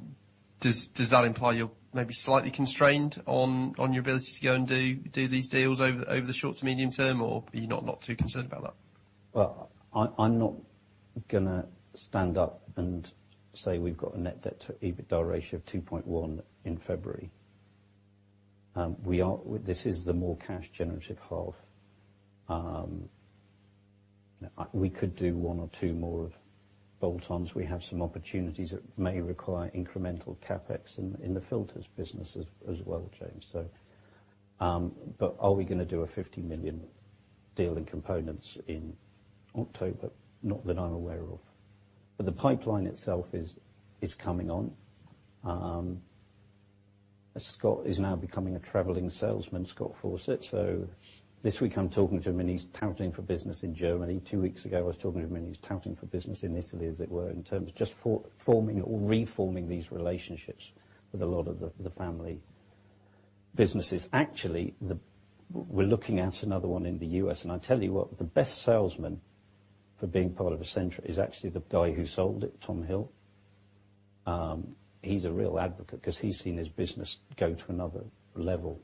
does that imply you're maybe slightly constrained on your ability to go and do these deals over the short to medium term, or are you not too concerned about that? I'm not going to stand up and say we've got a net debt to EBITDA ratio of 2.1 in February. This is the more cash generative half. We could do one or two more of bolt-ons. We have some opportunities that may require incremental CapEx in the filters business as well, James. Are we going to do a 50 million deal in components in October? Not that I'm aware of. The pipeline itself is coming on. Scott is now becoming a traveling salesman, Scott Fawcett. This week, I'm talking to him and he's touting for business in Germany. Two weeks ago, I was talking to him and he's touting for business in Italy, as it were, in terms of just forming or reforming these relationships with a lot of the family businesses. Actually, we're looking at another one in the U.S., and I tell you what, the best salesman for being part of Essentra is actually the guy who sold it, Tom Hill. He's a real advocate because he's seen his business go to another level.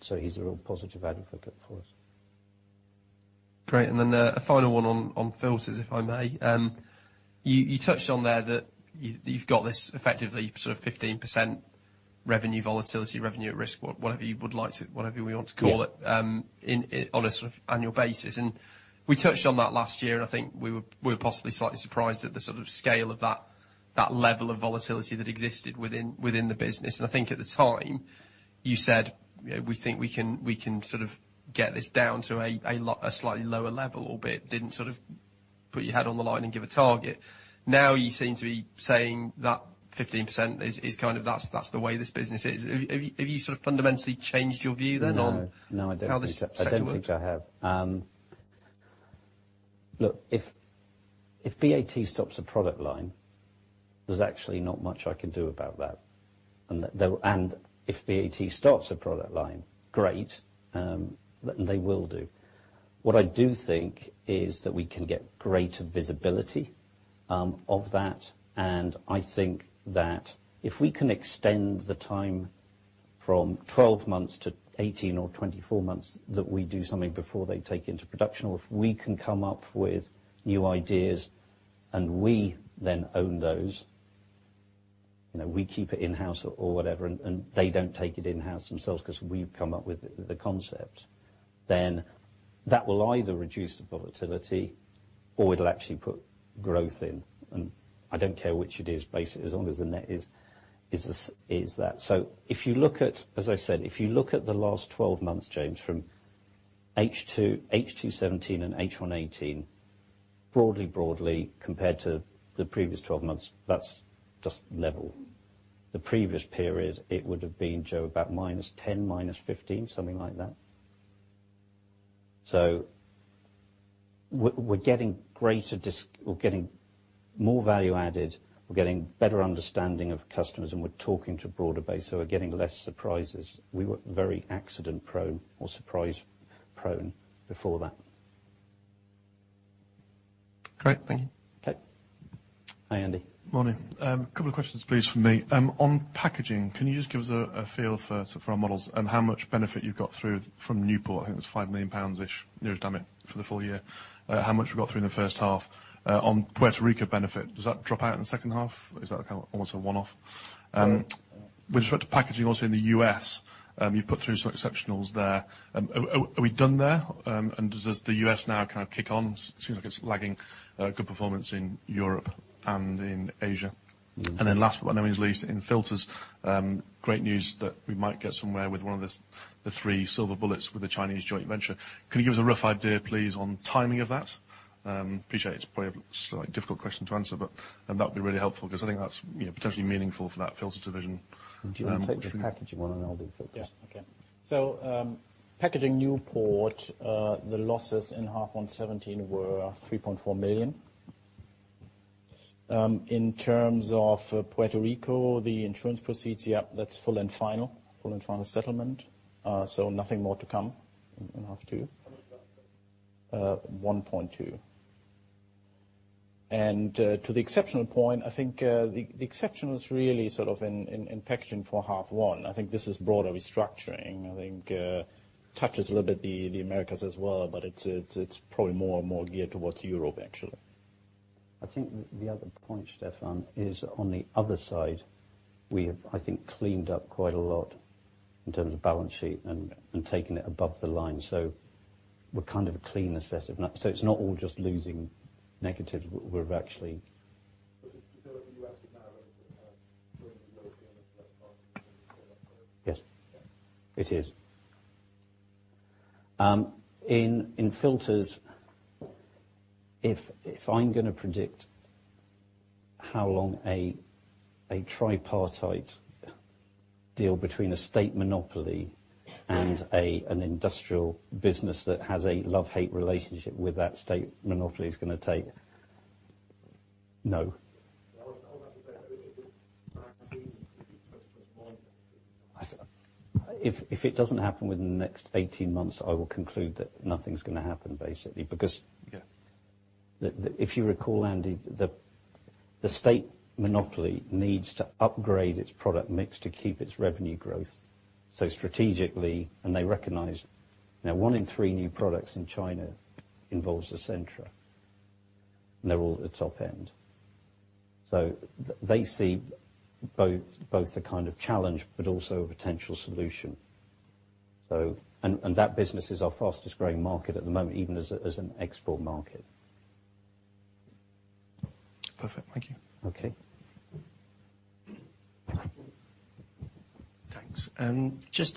He's a real positive advocate for us. Great. A final one on filters, if I may. You touched on there that you've got this effectively sort of 15% revenue volatility, revenue at risk, whatever we want to call it. Yeah On a sort of annual basis, we touched on that last year and I think we were possibly slightly surprised at the sort of scale of that level of volatility that existed within the business. I think at the time you said, "We think we can sort of get this down to a slightly lower level a little bit," didn't sort of put your head on the line and give a target. Now you seem to be saying that 15% is kind of, that's the way this business is. Have you sort of fundamentally changed your view then on. No How this segment works? No, I don't think I have. Look, if BAT stops a product line, there's actually not much I can do about that. If BAT starts a product line, great, they will do. What I do think is that we can get greater visibility of that, and I think that if we can extend the time from 12 months to 18 or 24 months, that we do something before they take into production, or if we can come up with new ideas and we then own those. We keep it in-house or whatever, and they don't take it in-house themselves because we've come up with the concept. That will either reduce the profitability or it'll actually put growth in, and I don't care which it is, basically, as long as the net is that. As I said, if you look at the last 12 months, James, from H2 2017 and H1 2018, broadly compared to the previous 12 months, that's just level. The previous period, it would've been, Joe, about minus 10, minus 15, something like that. We're getting more value added, we're getting better understanding of customers, and we're talking to a broader base, so we're getting less surprises. We were very accident-prone or surprise-prone before that. Great. Thank you. Okay. Hi, Andy. Morning. Couple of questions, please, from me. On packaging, can you just give us a feel for our models and how much benefit you've got through from Newport? I think it was 5 million pounds-ish, near as damn it, for the full year. How much we've got through in the first half. On Puerto Rico benefit, does that drop out in the second half? Is that almost a one-off? Sorry. With respect to packaging, also in the U.S., you've put through some exceptionals there. Are we done there? Does the U.S. now kind of kick on? It seems like it's lagging good performance in Europe and in Asia. Last but no means least, in filters, great news that we might get somewhere with one of the three silver bullets with the Chinese joint venture. Can you give us a rough idea, please, on timing of that? Appreciate it's probably a slightly difficult question to answer, but that would be really helpful because I think that's potentially meaningful for that filters division. Do you want to take the packaging one, and I'll do filters? Yeah. Okay. Packaging Newport, the losses in half 2017 were 3.4 million. In terms of Puerto Rico, the insurance proceeds, yeah, that's full and final. Full and final settlement. Nothing more to come in H2. How much was that? 1.2 million. To the exceptional point, I think the exceptional is really sort of in packaging for H1. I think this is broader restructuring. I think touches a little bit the Americas as well, but it's probably more geared towards Europe, actually. I think the other point, Stefan, is on the other side, we have, I think, cleaned up quite a lot in terms of balance sheet and taking it above the line. It's not all just losing negatives. The U.S. is now in terms of breaking even Yes. Yeah. It is. In Filters, if I'm going to predict how long a tripartite deal between a state monopoly and an industrial business that has a love-hate relationship with that state monopoly is going to take. No. If it doesn't happen within the next 18 months, I will conclude that nothing's going to happen, basically. Yeah. If you recall, Andy, the state monopoly needs to upgrade its product mix to keep its revenue growth. Strategically, and they recognize. Now, one in three new products in China involves Essentra, and they're all at the top end. They see both the kind of challenge, but also a potential solution. That business is our fastest growing market at the moment, even as an export market. Perfect. Thank you. Okay. Thanks.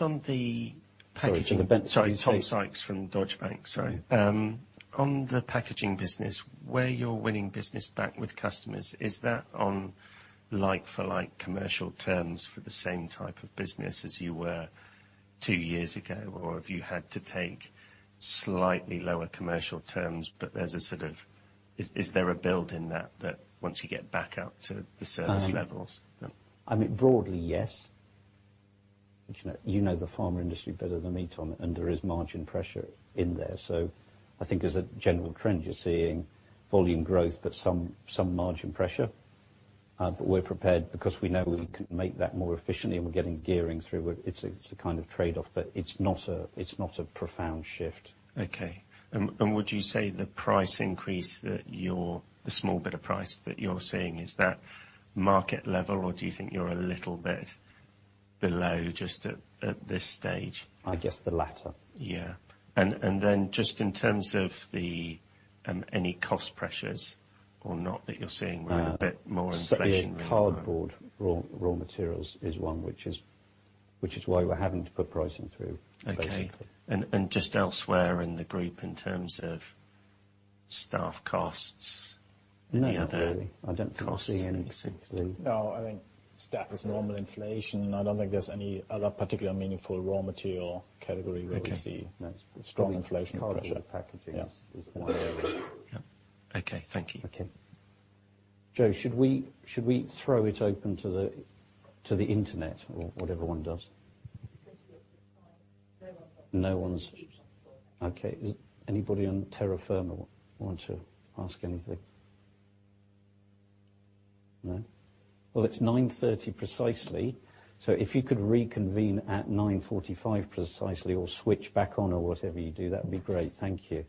Tom Sykes from Deutsche Bank. Sorry. On the packaging business, where you're winning business back with customers, is that on like for like commercial terms for the same type of business as you were two years ago? Have you had to take slightly lower commercial terms, but is there a build in that once you get back up to the service levels? Broadly, yes. You know the pharma industry better than me, Tom, and there is margin pressure in there. I think as a general trend, you're seeing volume growth but some margin pressure. We're prepared because we know we can make that more efficiently and we're getting gearing through it. It's a kind of trade-off, but it's not a profound shift. Okay. Would you say the small bit of price that you're seeing, is that market level or do you think you're a little bit below just at this stage? I guess the latter. Yeah. Then just in terms of any cost pressures or not that you're seeing, we're in a bit more inflationary environment. Cardboard raw materials is one, which is why we're having to put pricing through, basically. Okay. Just elsewhere in the group, in terms of staff costs, any other costs? Not really. I don't foresee anything. No. I think staff is normal inflation. I don't think there's any other particular meaningful raw material category where we see- Okay strong inflation pressure. Cardboard and packaging is one area. Okay. Thank you. Okay. Joe, should we throw it open to the internet or whatever one does? No one's online. No one's. Okay. Is anybody on terra firma want to ask anything? No? Well, it's 9:30 A.M. precisely, so if you could reconvene at 9:45 A.M. precisely or switch back on or whatever you do, that'd be great. Thank you.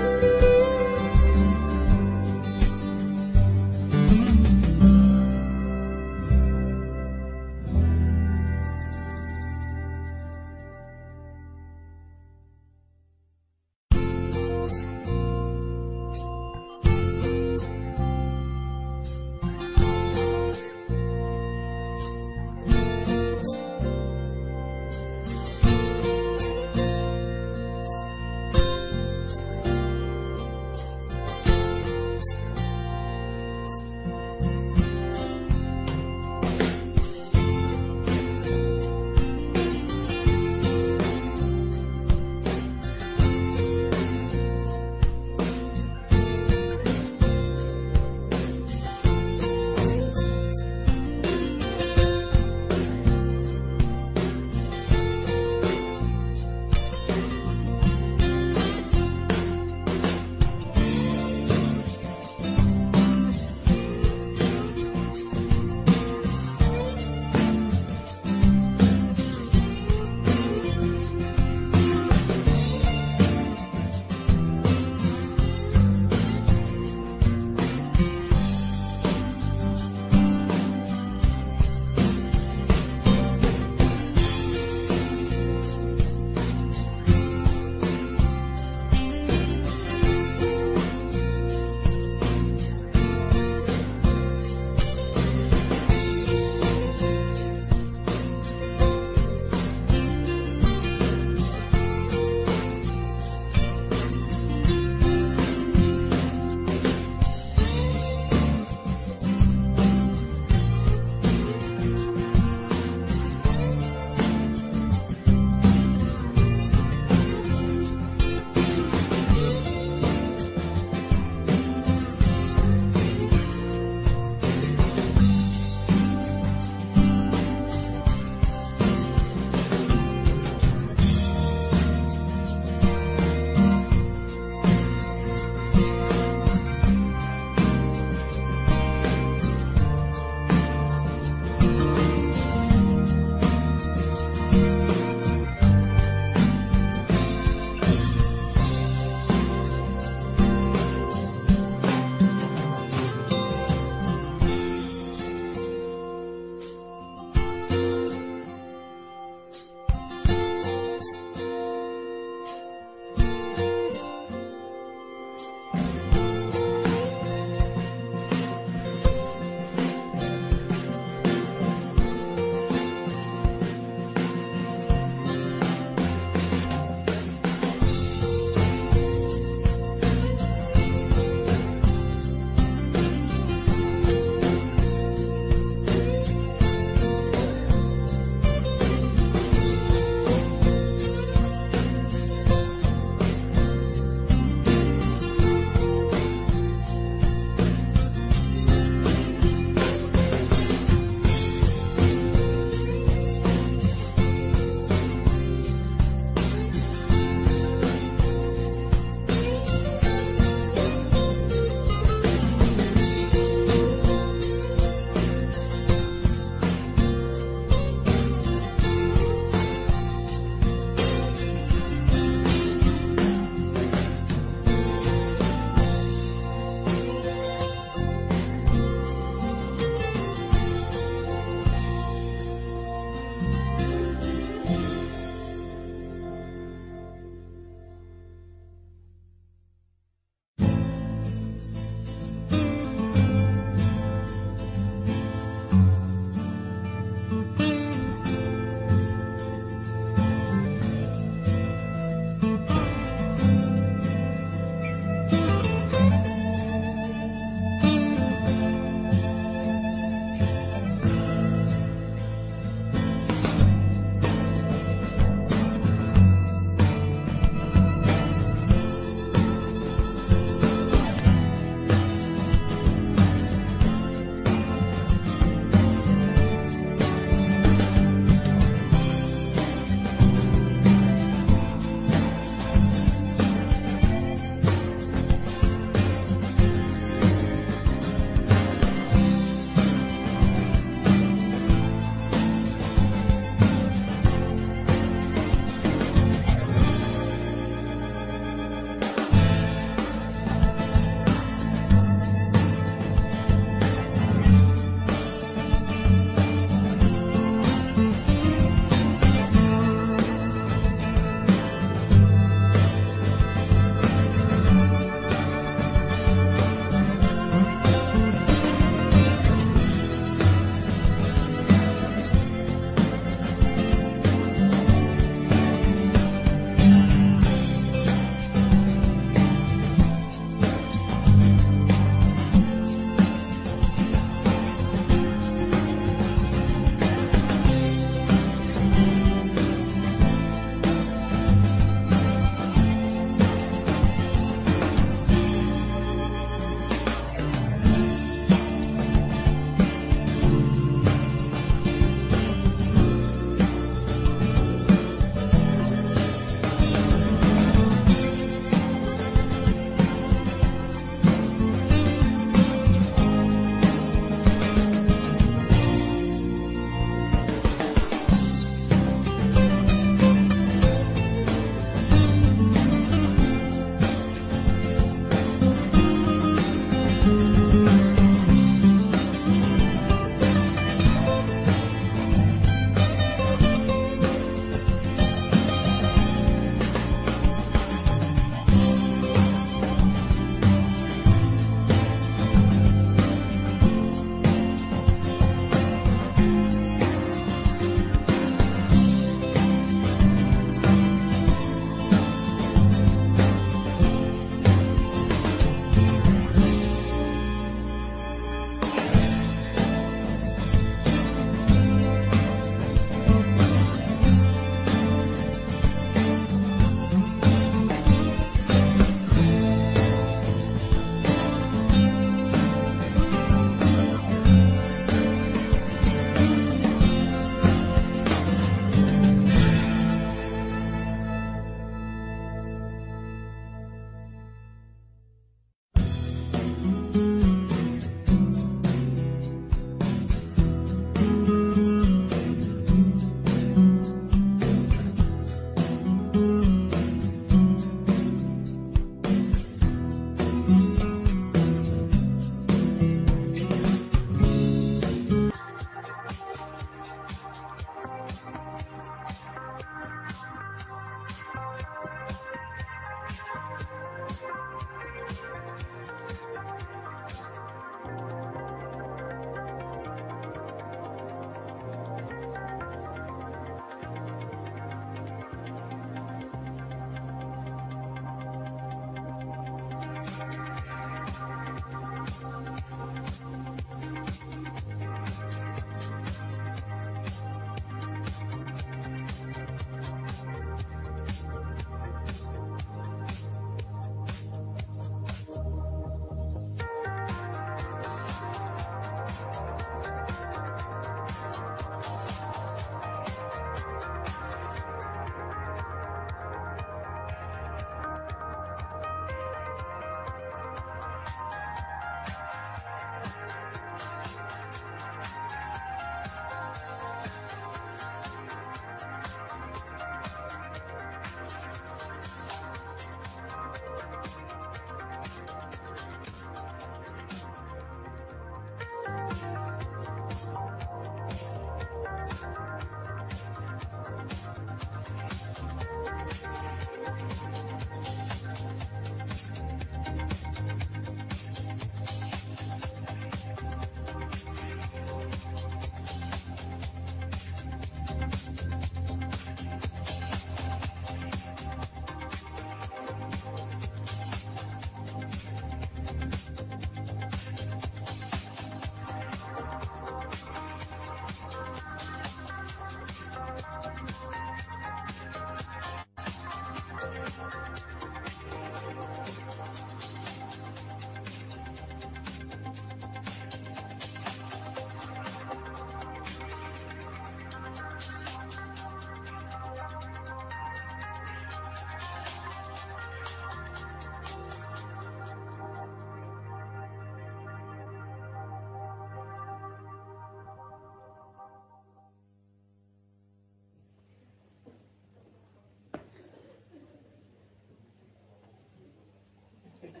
I'm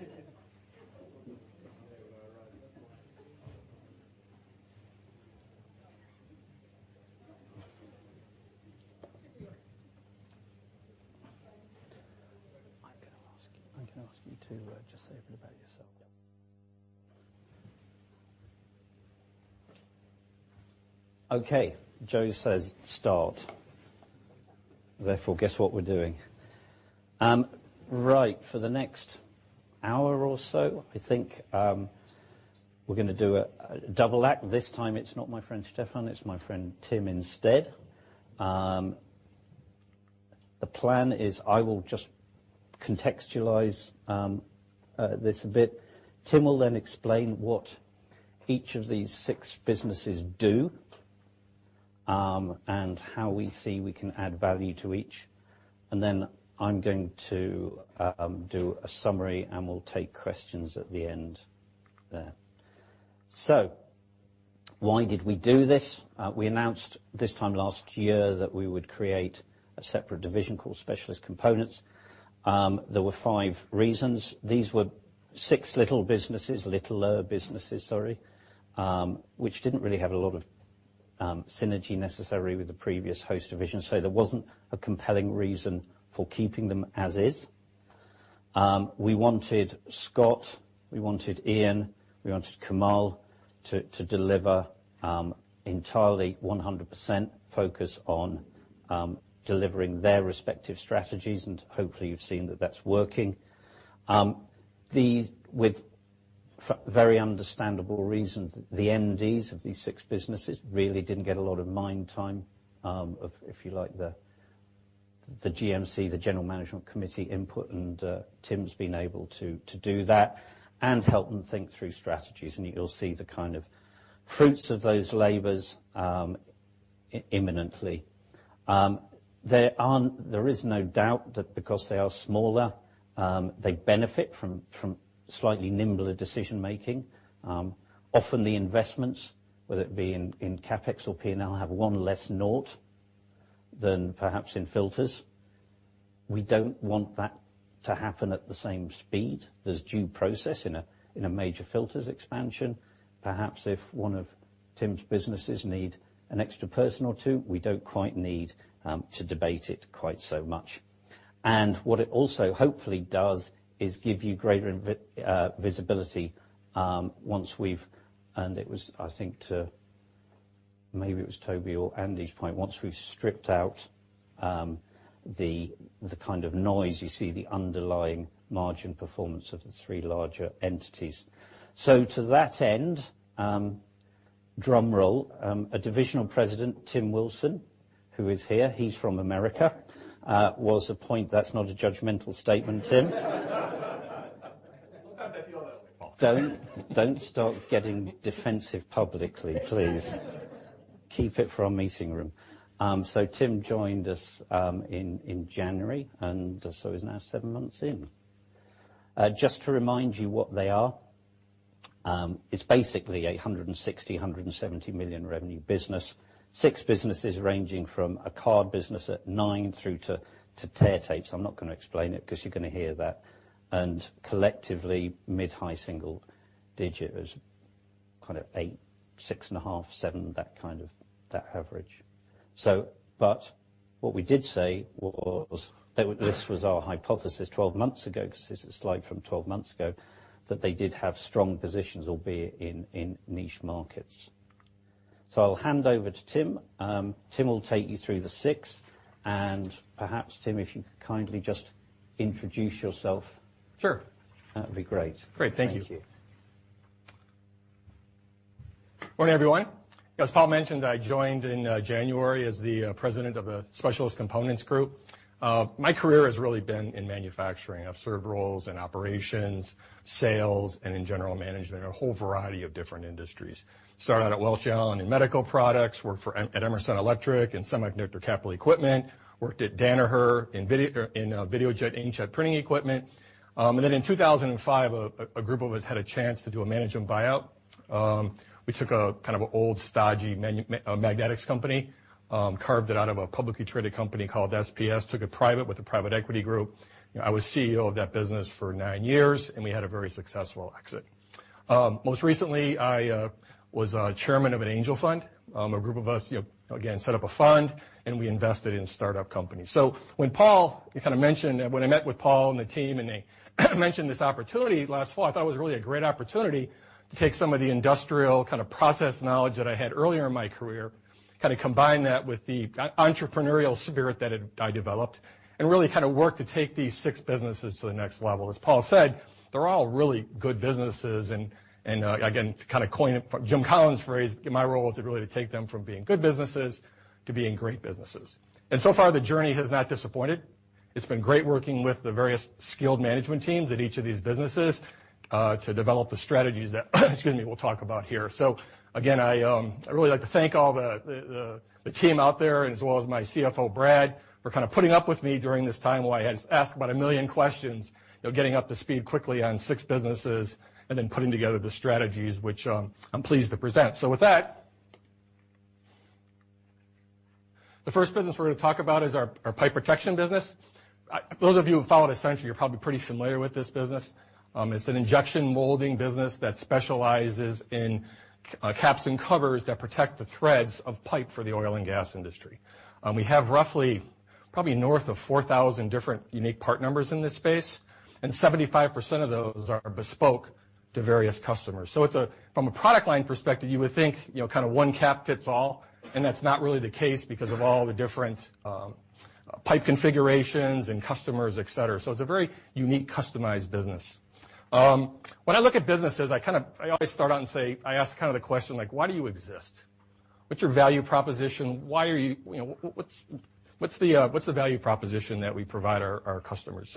going to ask you to just say a bit about yourself. Yeah. Okay. Joe says start, therefore, guess what we're doing? Right. For the next hour or so, I think we're going to do a double act. This time it's not my friend Stefan, it's my friend Tim instead. The plan is I will just contextualize this a bit. Tim will then explain what each of these six businesses do, and how we see we can add value to each. I'm going to do a summary, and we'll take questions at the end there. Why did we do this? We announced this time last year that we would create a separate division called Specialist Components. There were five reasons. These were six little businesses, littler businesses, sorry, which didn't really have a lot of synergy necessary with the previous host division, so there wasn't a compelling reason for keeping them as is. We wanted Scott, we wanted Ian, we wanted Kamal to deliver entirely 100% focus on delivering their respective strategies, and hopefully you've seen that that's working. With very understandable reasons, the MDs of these six businesses really didn't get a lot of mind time, if you like, the GMC, the General Management Committee input. Tim's been able to do that and help them think through strategies, and you'll see the kind of fruits of those labors imminently. There is no doubt that because they are smaller, they benefit from slightly nimbler decision-making. Often the investments, whether it be in CapEx or P&L, have one less nought than perhaps in filters. We don't want that to happen at the same speed. There's due process in a major filters expansion. Perhaps if one of Tim's businesses need an extra person or two, we don't quite need to debate it quite so much. What it also hopefully does is give you greater visibility once we've, I think, maybe it was Toby or Andy's point, once we've stripped out the kind of noise you see the underlying margin performance of the three larger entities. To that end, drum roll, a divisional president, Tim Wilson, who is here. He's from America. Was a point, that's not a judgmental statement, Tim. Sometimes I feel that way. Don't start getting defensive publicly, please. Keep it for our meeting room. Tim joined us in January, and so he's now seven months in. Just to remind you what they are. It's basically a 160 million-170 million revenue business. Six businesses ranging from a card business at nine through to Tear Tapes. I'm not going to explain it because you're going to hear that. Collectively, mid-high single digit. It was kind of 8%, 6.5%, 7%, that kind of average. What we did say was that this was our hypothesis 12 months ago, because this is a slide from 12 months ago, that they did have strong positions, albeit in niche markets. I'll hand over to Tim. Tim will take you through the six, and perhaps, Tim, if you could kindly just introduce yourself. Sure. That'd be great. Great. Thank you. Thank you. Morning, everyone. As Paul mentioned, I joined in January as the President of the Specialist Components group. My career has really been in manufacturing. I've served roles in operations, sales, and in general management in a whole variety of different industries. Started out at Welch Allyn in medical products, worked at Emerson Electric in semiconductor capital equipment, worked at Danaher in Videojet inkjet printing equipment. In 2005, a group of us had a chance to do a management buyout. We took a kind of an old stodgy magnetics company, carved it out of a publicly traded company called SPS. Took it private with a private equity group. I was CEO of that business for nine years, and we had a very successful exit. Most recently, I was chairman of an angel fund. A group of us, again, set up a fund, and we invested in startup companies. When I met with Paul and the team, they mentioned this opportunity last fall, I thought it was really a great opportunity to take some of the industrial kind of process knowledge that I had earlier in my career, kind of combine that with the entrepreneurial spirit that I developed and really kind of work to take these 6 businesses to the next level. As Paul said, they're all really good businesses and, again, to kind of coin Jim Collins' phrase, my role is really to take them from being good businesses to being great businesses. So far, the journey has not disappointed. It's been great working with the various skilled management teams at each of these businesses, to develop the strategies that, excuse me, we'll talk about here. Again, I really like to thank all the team out there and as well as my CFO, Brad, for kind of putting up with me during this time while I asked about 1 million questions, getting up to speed quickly on 6 businesses and then putting together the strategies which I'm pleased to present. With that, the first business we're going to talk about is our pipe protection business. Those of you who follow Essentra, you're probably pretty familiar with this business. It's an injection molding business that specializes in caps and covers that protect the threads of pipe for the oil and gas industry. We have roughly probably north of 4,000 different unique part numbers in this space, and 75% of those are bespoke to various customers. From a product line perspective, you would think, kind of one cap fits all, and that's not really the case because of all the different pipe configurations and customers, et cetera. It's a very unique, customized business. When I look at businesses, I always start out and I ask kind of the question like, why do you exist? What's your value proposition? What's the value proposition that we provide our customers?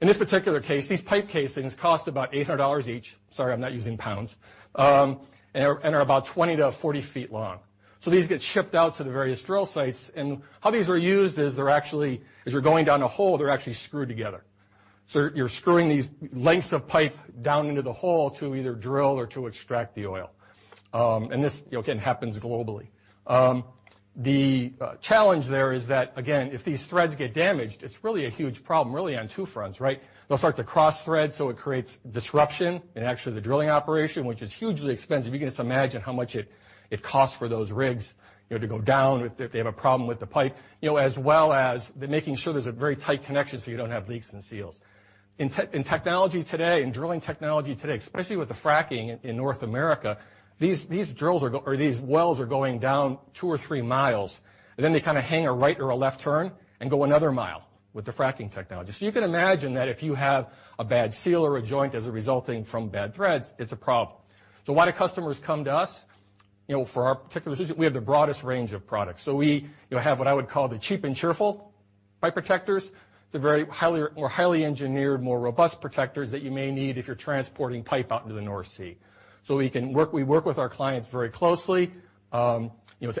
In this particular case, these pipe casings cost about $800 each, sorry, I'm not using pounds, and are about 20-40 feet long. These get shipped out to the various drill sites. How these are used is as you're going down a hole, they're actually screwed together. You're screwing these lengths of pipe down into the hole to either drill or to extract the oil. This, again, happens globally. The challenge there is that, again, if these threads get damaged, it's really a huge problem really on two fronts, right? They'll start to cross thread, it creates disruption in actually the drilling operation, which is hugely expensive. You can just imagine how much it costs for those rigs to go down if they have a problem with the pipe. As well as making sure there's a very tight connection so you don't have leaks in the seals. In technology today, in drilling technology today, especially with the fracking in North America, these wells are going down two or three miles, and then they kind of hang a right or a left turn and go another mile with the fracking technology. You can imagine that if you have a bad seal or a joint as a resulting from bad threads, it's a problem. Why do customers come to us? For our particular solution, we have the broadest range of products. We have what I would call the cheap and cheerful pipe protectors to more highly engineered, more robust protectors that you may need if you're transporting pipe out into the North Sea. We work with our clients very closely to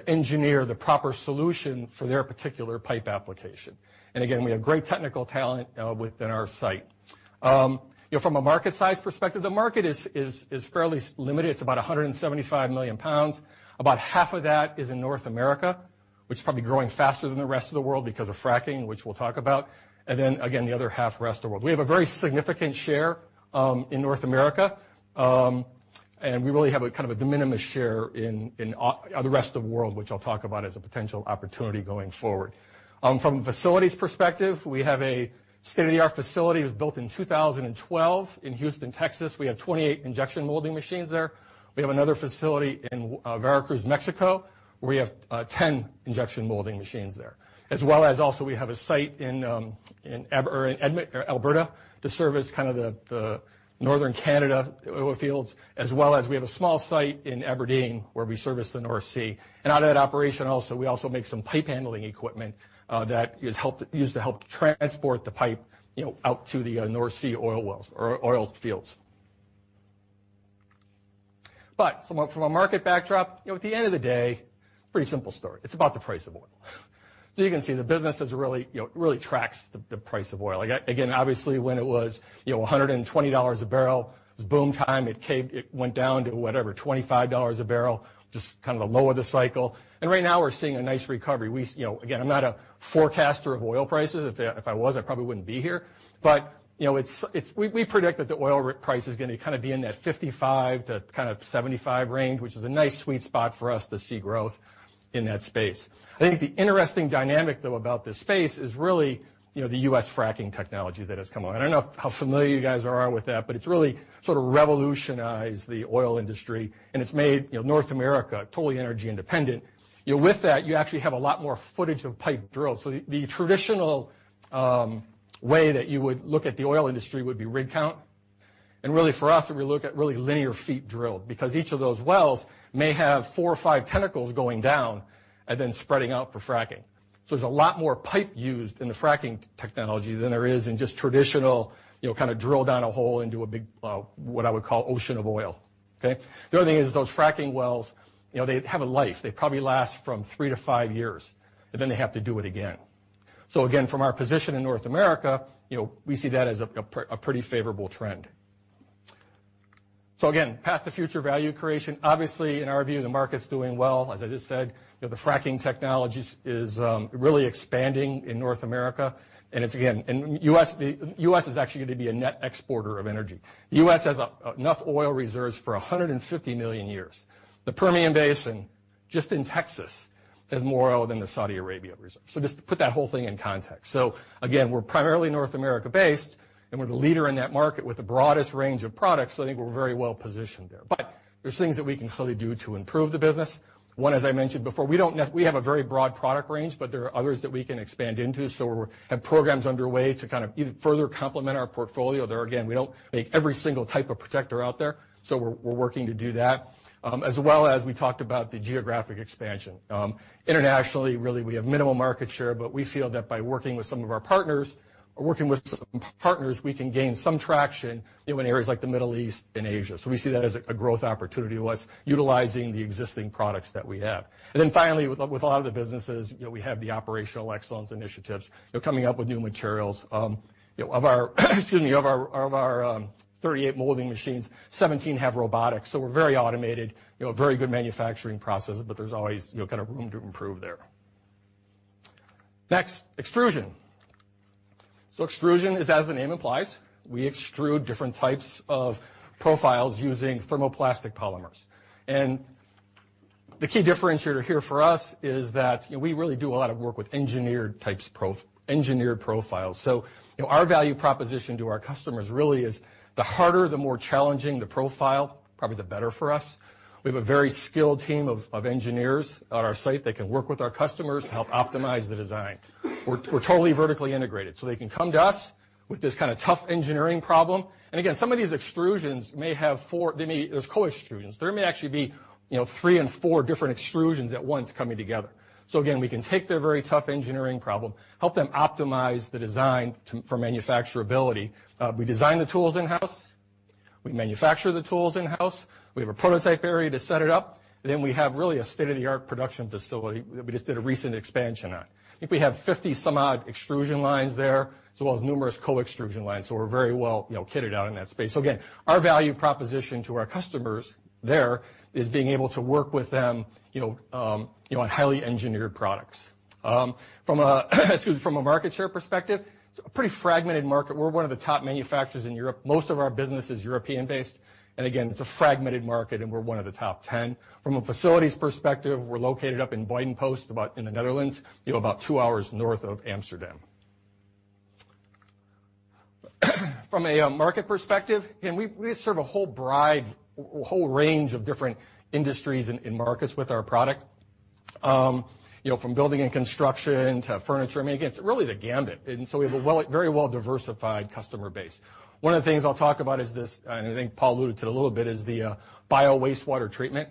engineer the proper solution for their particular pipe application. Again, we have great technical talent within our site. From a market size perspective, the market is fairly limited. It's about 175 million pounds. About half of that is in North America, which is probably growing faster than the rest of the world because of fracking, which we'll talk about. Again, the other half, rest of the world. We have a very significant share in North America. We really have a kind of a de minimis share in the rest of the world, which I'll talk about as a potential opportunity going forward. From facilities perspective, we have a state-of-the-art facility. It was built in 2012 in Houston, Texas. We have 28 injection molding machines there. We have another facility in Veracruz, Mexico, where we have 10 injection molding machines there. We have a site in Alberta to service kind of the Northern Canada oil fields, as well as we have a small site in Aberdeen where we service the North Sea. Out of that operation also, we also make some pipe handling equipment that is used to help transport the pipe out to the North Sea oil fields. From a market backdrop, at the end of the day, pretty simple story. It's about the price of oil. You can see the business really tracks the price of oil. Again, obviously, when it was $120 a barrel, it was boom time. It went down to, whatever, $25 a barrel, just kind of the low of the cycle. Right now, we're seeing a nice recovery. Again, I'm not a forecaster of oil prices. If I was, I probably wouldn't be here. We predict that the oil price is going to kind of be in that 55 to 75 range, which is a nice sweet spot for us to see growth in that space. I think the interesting dynamic, though, about this space is really the U.S. fracking technology that has come along. I don't know how familiar you guys are with that, but it's really sort of revolutionized the oil industry, and it's made North America totally energy independent. With that, you actually have a lot more footage of pipe drilled. The traditional way that you would look at the oil industry would be rig count. Really, for us, we look at really linear feet drilled, because each of those wells may have four or five tentacles going down and then spreading out for fracking. There's a lot more pipe used in the fracking technology than there is in just traditional, kind of drill down a hole into a big, what I would call ocean of oil. Okay. The other thing is those fracking wells, they have a life. They probably last from three to five years, and then they have to do it again. Again, from our position in North America, we see that as a pretty favorable trend. Again, path to future value creation. Obviously, in our view, the market's doing well. As I just said, the fracking technology is really expanding in North America, it's, U.S. is actually going to be a net exporter of energy. U.S. has enough oil reserves for 150 million years. The Permian Basin, just in Texas, has more oil than the Saudi Arabia reserves. Just to put that whole thing in context. Again, we're primarily North America based, and we're the leader in that market with the broadest range of products, I think we're very well positioned there. There's things that we can clearly do to improve the business. One, as I mentioned before, we have a very broad product range. There are others that we can expand into. We have programs underway to kind of further complement our portfolio there. Again, we don't make every single type of protector out there. We're working to do that, as well as we talked about the geographic expansion. Internationally, really, we have minimal market share. We feel that by working with some of our partners, we can gain some traction in areas like the Middle East and Asia. We see that as a growth opportunity with us utilizing the existing products that we have. Finally, with a lot of the businesses, we have the operational excellence initiatives, coming up with new materials. Of our 38 molding machines, 17 have robotics. We're very automated, very good manufacturing processes, but there's always kind of room to improve there. Next, extrusion. Extrusion is as the name implies. We extrude different types of profiles using thermoplastic polymers. The key differentiator here for us is that we really do a lot of work with engineered profiles. Our value proposition to our customers really is the harder, the more challenging the profile, probably the better for us. We have a very skilled team of engineers at our site that can work with our customers to help optimize the design. We're totally vertically integrated. They can come to us with this kind of tough engineering problem. Again, some of these extrusions, there's co-extrusions. There may actually be three and four different extrusions at once coming together. Again, we can take their very tough engineering problem, help them optimize the design for manufacturability. We design the tools in-house. We manufacture the tools in-house. We have a prototype area to set it up. We have really a state-of-the-art production facility that we just did a recent expansion on. I think we have 50 some odd extrusion lines there, as well as numerous co-extrusion lines. We're very well kitted out in that space. Again, our value proposition to our customers there is being able to work with them on highly engineered products. From a market share perspective, it's a pretty fragmented market. We're one of the top manufacturers in Europe. Most of our business is European based. Again, it's a fragmented market, and we're one of the top 10. From a facilities perspective, we're located up in Buitenpost in the Netherlands, about two hours north of Amsterdam. From a market perspective, we serve a whole range of different industries and markets with our product, from building and construction to furniture, making. It's really the gamut. We have a very well diversified customer base. One of the things I'll talk about is this, and I think Paul alluded to it a little bit, is the bio-wastewater treatment.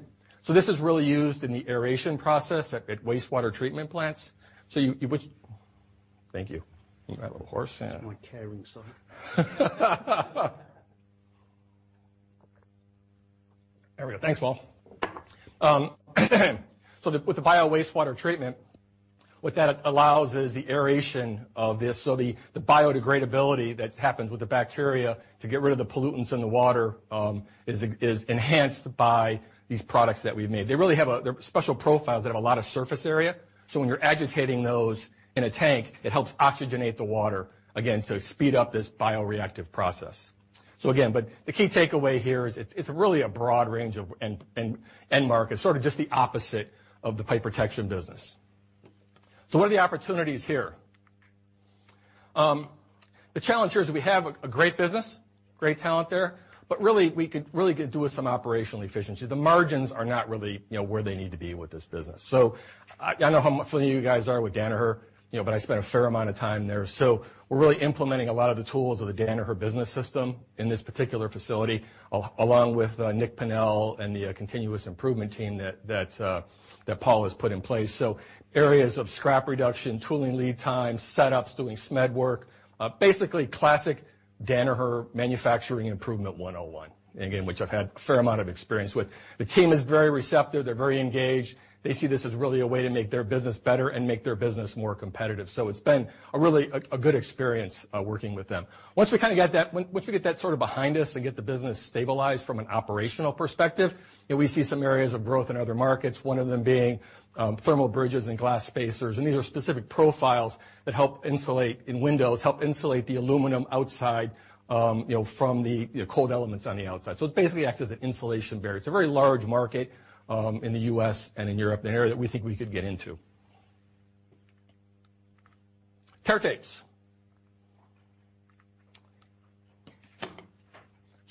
This is really used in the aeration process at wastewater treatment plants. You, thank you. You can have a horse. My caring side. There we go. Thanks, Paul. With the bio-wastewater treatment, what that allows is the aeration of this. The biodegradability that happens with the bacteria to get rid of the pollutants in the water, is enhanced by these products that we've made. They're special profiles that have a lot of surface area. When you're agitating those in a tank, it helps oxygenate the water, again, to speed up this bioreactive process. Again, but the key takeaway here is it's really a broad range of end markets, sort of just the opposite of the pipe protection business. What are the opportunities here? The challenge here is we have a great business, great talent there, but really we could really do with some operational efficiency. The margins are not really where they need to be with this business. I know how familiar you guys are with Danaher, but I spent a fair amount of time there. We're really implementing a lot of the tools of the Danaher Business System in this particular facility, along with Nick Pannell and the continuous improvement team that Paul has put in place. Areas of scrap reduction, tooling lead times, setups, doing SMED work, basically classic Danaher manufacturing improvement 101. Again, which I've had a fair amount of experience with. The team is very receptive. They're very engaged. They see this as really a way to make their business better and make their business more competitive. It's been a really a good experience working with them. Once we get that sort of behind us and get the business stabilized from an operational perspective, we see some areas of growth in other markets, one of them being thermal bridges and glass spacers, and these are specific profiles that help insulate in windows, help insulate the aluminum outside, from the cold elements on the outside. It basically acts as an insulation barrier. It's a very large market in the U.S. and in Europe, an area that we think we could get into. Tear tapes.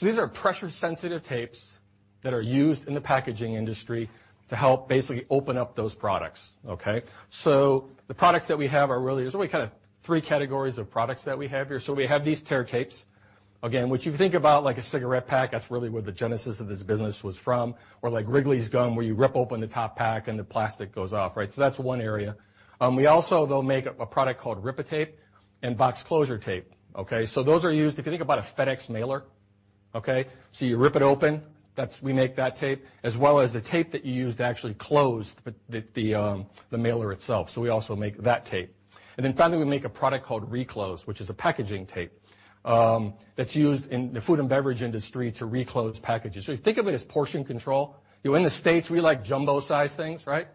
These are pressure-sensitive tapes that are used in the packaging industry to help basically open up those products. Okay. The products that we have are really three categories of products that we have here. We have these tear tapes, again, which you think about like a cigarette pack. That's really where the genesis of this business was from. Or like Wrigley's gum, where you rip open the top pack and the plastic goes off, right? That's one area. We also, though, make a product called Rippatape and box closure tape. Okay. Those are used, if you think about a FedEx mailer, okay? You rip it open. We make that tape. As well as the tape that you use to actually close the mailer itself. We also make that tape. Finally, we make a product called RE:CLOSE, which is a packaging tape, that's used in the food and beverage industry to re-close packages. You think of it as portion control. In the States, we like jumbo-sized things, right?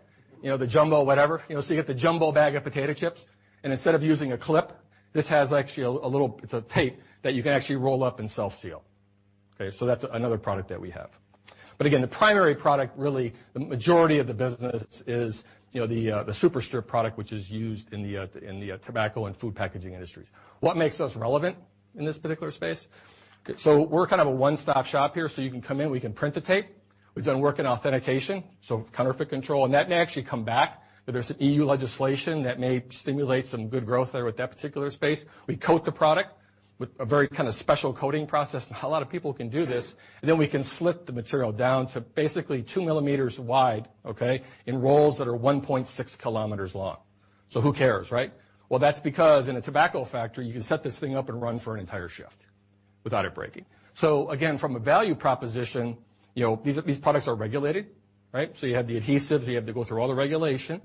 The jumbo whatever. You get the jumbo bag of potato chips, and instead of using a clip, this has actually a tape that you can actually roll up and self-seal. Okay. That's another product that we have. Again, the primary product, really, the majority of the business is the Supastrip product, which is used in the tobacco and food packaging industries. What makes us relevant in this particular space? We're kind of a one-stop shop here. You can come in, we can print the tape. We've done work in authentication, so counterfeit control, and that may actually come back. There's an EU legislation that may stimulate some good growth there with that particular space. We coat the product with a very kind of special coating process. Not a lot of people can do this. We can slit the material down to basically 2 millimeters wide, okay, in rolls that are 1.6 kilometers long. Who cares, right? That's because in a tobacco factory, you can set this thing up and run for an entire shift without it breaking. Again, from a value proposition, these products are regulated, right? You have the adhesives, you have to go through all the regulation,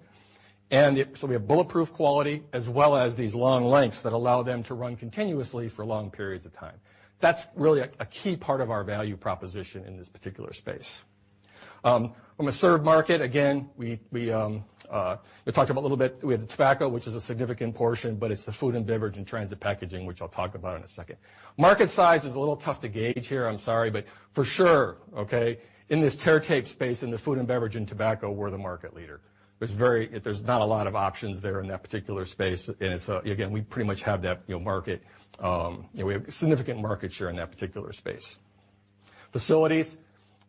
and we have bulletproof quality as well as these long lengths that allow them to run continuously for long periods of time. That's really a key part of our value proposition in this particular space. From a served market, again, we talked about a little bit, we have the tobacco, which is a significant portion, but it's the food and beverage and transit packaging, which I'll talk about in a second. Market size is a little tough to gauge here, I'm sorry, but for sure, okay, in this Tear Tape space, in the food and beverage and tobacco, we're the market leader. There's not a lot of options there in that particular space. Again, we pretty much have that market. We have a significant market share in that particular space. Facilities.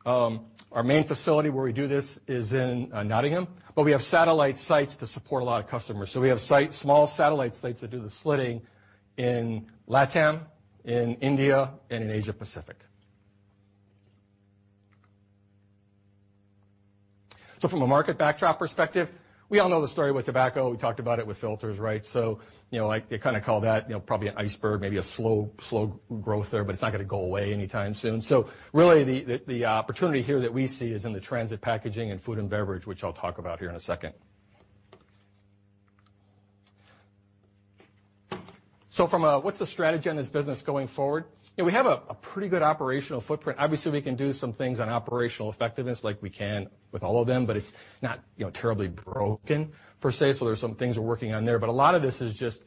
Our main facility where we do this is in Nottingham, but we have satellite sites that support a lot of customers. We have sites, small satellite sites, that do the slitting in LatAm, in India, and in Asia Pacific. From a market backdrop perspective, we all know the story with tobacco. We talked about it with filters, right? I kind of call that probably an iceberg, maybe a slow growth there, but it's not going to go away anytime soon. Really the opportunity here that we see is in the transit packaging and food and beverage, which I'll talk about here in a second. From a, what's the strategy on this business going forward? We have a pretty good operational footprint. Obviously, we can do some things on operational effectiveness, like we can with all of them, but it's not terribly broken per se. There's some things we're working on there. A lot of this is just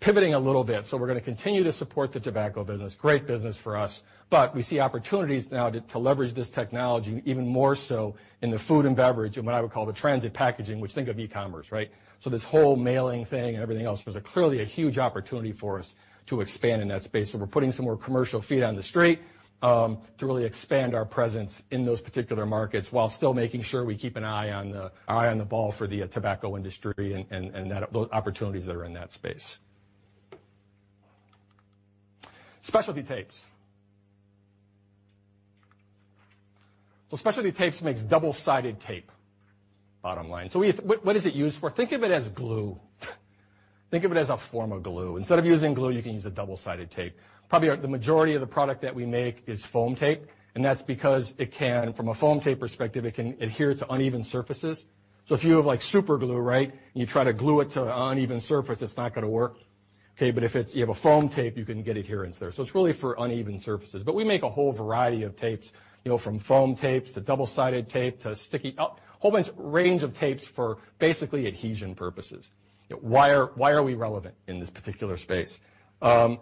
pivoting a little bit. We're going to continue to support the tobacco business. Great business for us, we see opportunities now to leverage this technology even more so in the food and beverage and what I would call the transit packaging, which think of e-commerce, right? This whole mailing thing and everything else was clearly a huge opportunity for us to expand in that space. We're putting some more commercial feet on the street, to really expand our presence in those particular markets while still making sure we keep an eye on the ball for the tobacco industry and the opportunities that are in that space. Specialty Tapes. Specialty Tapes makes double-sided tape, bottom line. What is it used for? Think of it as glue. Think of it as a form of glue. Instead of using glue, you can use a double-sided tape. Probably the majority of the product that we make is foam tape, and that's because from a foam tape perspective, it can adhere to uneven surfaces. If you have, like, super glue, right, and you try to glue it to an uneven surface, it's not going to work. Okay. If you have a foam tape, you can get adherence there. It's really for uneven surfaces. We make a whole variety of tapes, from foam tapes to double-sided tape to sticky A whole range of tapes for basically adhesion purposes. Why are we relevant in this particular space? We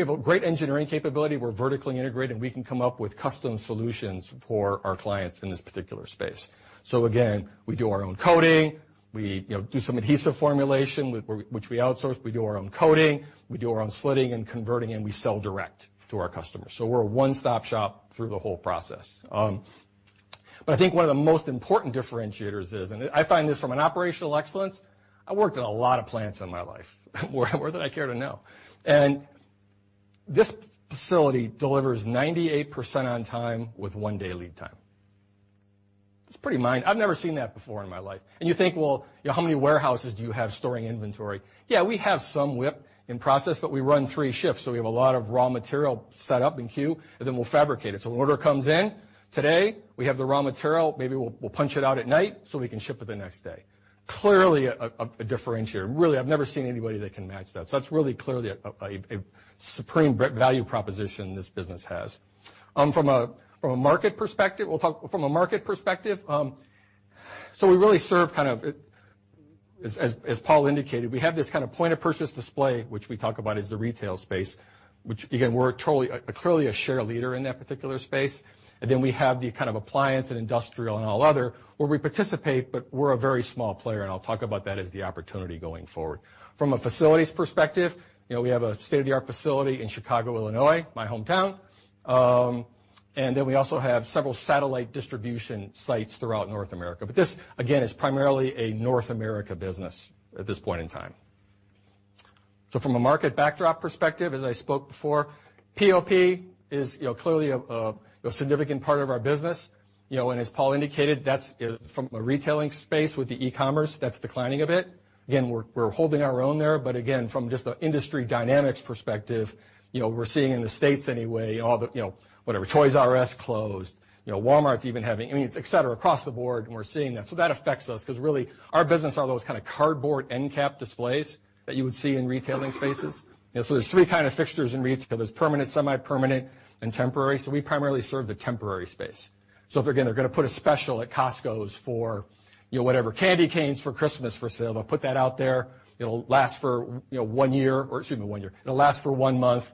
have a great engineering capability. We're vertically integrated, and we can come up with custom solutions for our clients in this particular space. Again, we do our own coating. We do some adhesive formulation, which we outsource. We do our own coating, we do our own slitting and converting, and we sell direct to our customers. We're a one-stop shop through the whole process. I think one of the most important differentiators is, and I find this from an operational excellence, I worked in a lot of plants in my life, more than I care to know, and this facility delivers 98% on time with one-day lead time. I've never seen that before in my life. You think, "Well, how many warehouses do you have storing inventory?" We have some WIP in process, but we run three shifts, so we have a lot of raw material set up in queue, and then we'll fabricate it. An order comes in today, we have the raw material. Maybe we'll punch it out at night so we can ship it the next day. Clearly a differentiator. Really, I've never seen anybody that can match that. That's really clearly a supreme value proposition this business has. From a market perspective, we really serve kind of. As Paul indicated, we have this kind of point-of-purchase display, which we talk about is the retail space, which again, we're clearly a share leader in that particular space. Then we have the kind of appliance and industrial and all other where we participate, but we're a very small player, and I'll talk about that as the opportunity going forward. From a facilities perspective, we have a state-of-the-art facility in Chicago, Illinois, my hometown. Then we also have several satellite distribution sites throughout North America. This, again, is primarily a North America business at this point in time. From a market backdrop perspective, as I spoke before, POP is clearly a significant part of our business. As Paul indicated, that's from a retailing space with the e-commerce that's declining a bit. Again, we're holding our own there, but again, from just an industry dynamics perspective, we're seeing in the States anyway, all the whatever, Toys R Us closed, Walmart's even having. I mean, it's et cetera, across the board, and we're seeing that. That affects us because really our business are those kind of cardboard endcap displays that you would see in retailing spaces. There's three kind of fixtures in retail. There's permanent, semi-permanent, and temporary. We primarily serve the temporary space. If they're going to put a special at Costco for whatever, candy canes for Christmas for sale, they'll put that out there, it'll last for one year. Or excuse me, one year. It'll last for one month,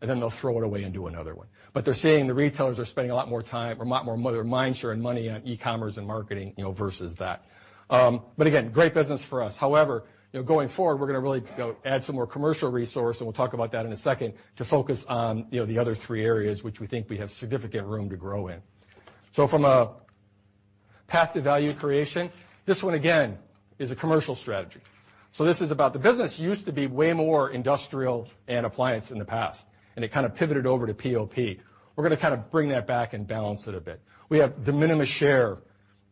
and then they'll throw it away and do another one. They're seeing the retailers are spending a lot more time or a lot more mind share and money on e-commerce and marketing, versus that. Again, great business for us. However, going forward, we're going to really go add some more commercial resource, and we'll talk about that in a second, to focus on the other three areas, which we think we have significant room to grow in. From a path to value creation, this one, again, is a commercial strategy. This is about the business. Used to be way more industrial and appliance in the past, it kind of pivoted over to POP. We're going to kind of bring that back and balance it a bit. We have de minimis share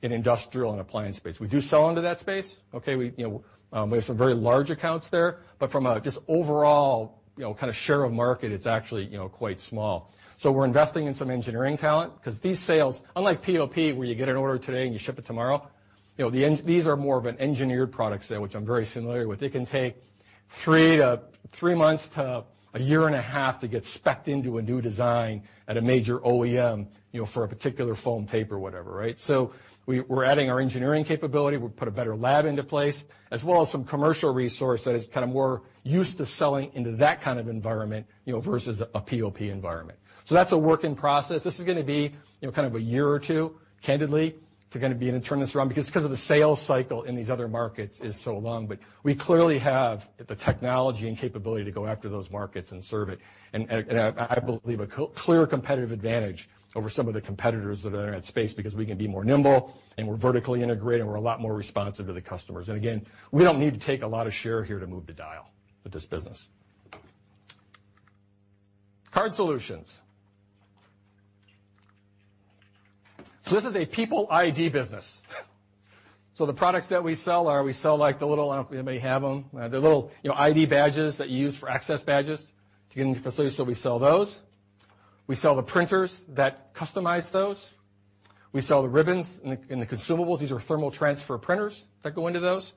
in industrial and appliance space. We do sell into that space, okay. We have some very large accounts there, but from a, just overall, kind of share of market, it's actually quite small. We're investing in some engineering talent because these sales, unlike POP, where you get an order today and you ship it tomorrow, these are more of an engineered product sale, which I'm very familiar with. They can take three months to a year and a half to get spec'd into a new design at a major OEM for a particular foam tape or whatever, right. We're adding our engineering capability. We put a better lab into place, as well as some commercial resource that is kind of more used to selling into that kind of environment, versus a POP environment. That's a work in process. This is going to be kind of a year or two, candidly, to kind of be able to turn this around, because of the sales cycle in these other markets is so long. We clearly have the technology and capability to go after those markets and serve it. I believe a clear competitive advantage over some of the competitors that are in that space because we can be more nimble and we're vertically integrated, and we're a lot more responsive to the customers. Again, we don't need to take a lot of share here to move the dial with this business. Card Solutions. This is a people ID business. The products that we sell are, we sell, like, the little, I don't know if anybody have them, the little ID badges that you use for access badges to get into facilities. We sell those. We sell the printers that customize those. We sell the ribbons and the consumables. These are thermal transfer printers that go into those.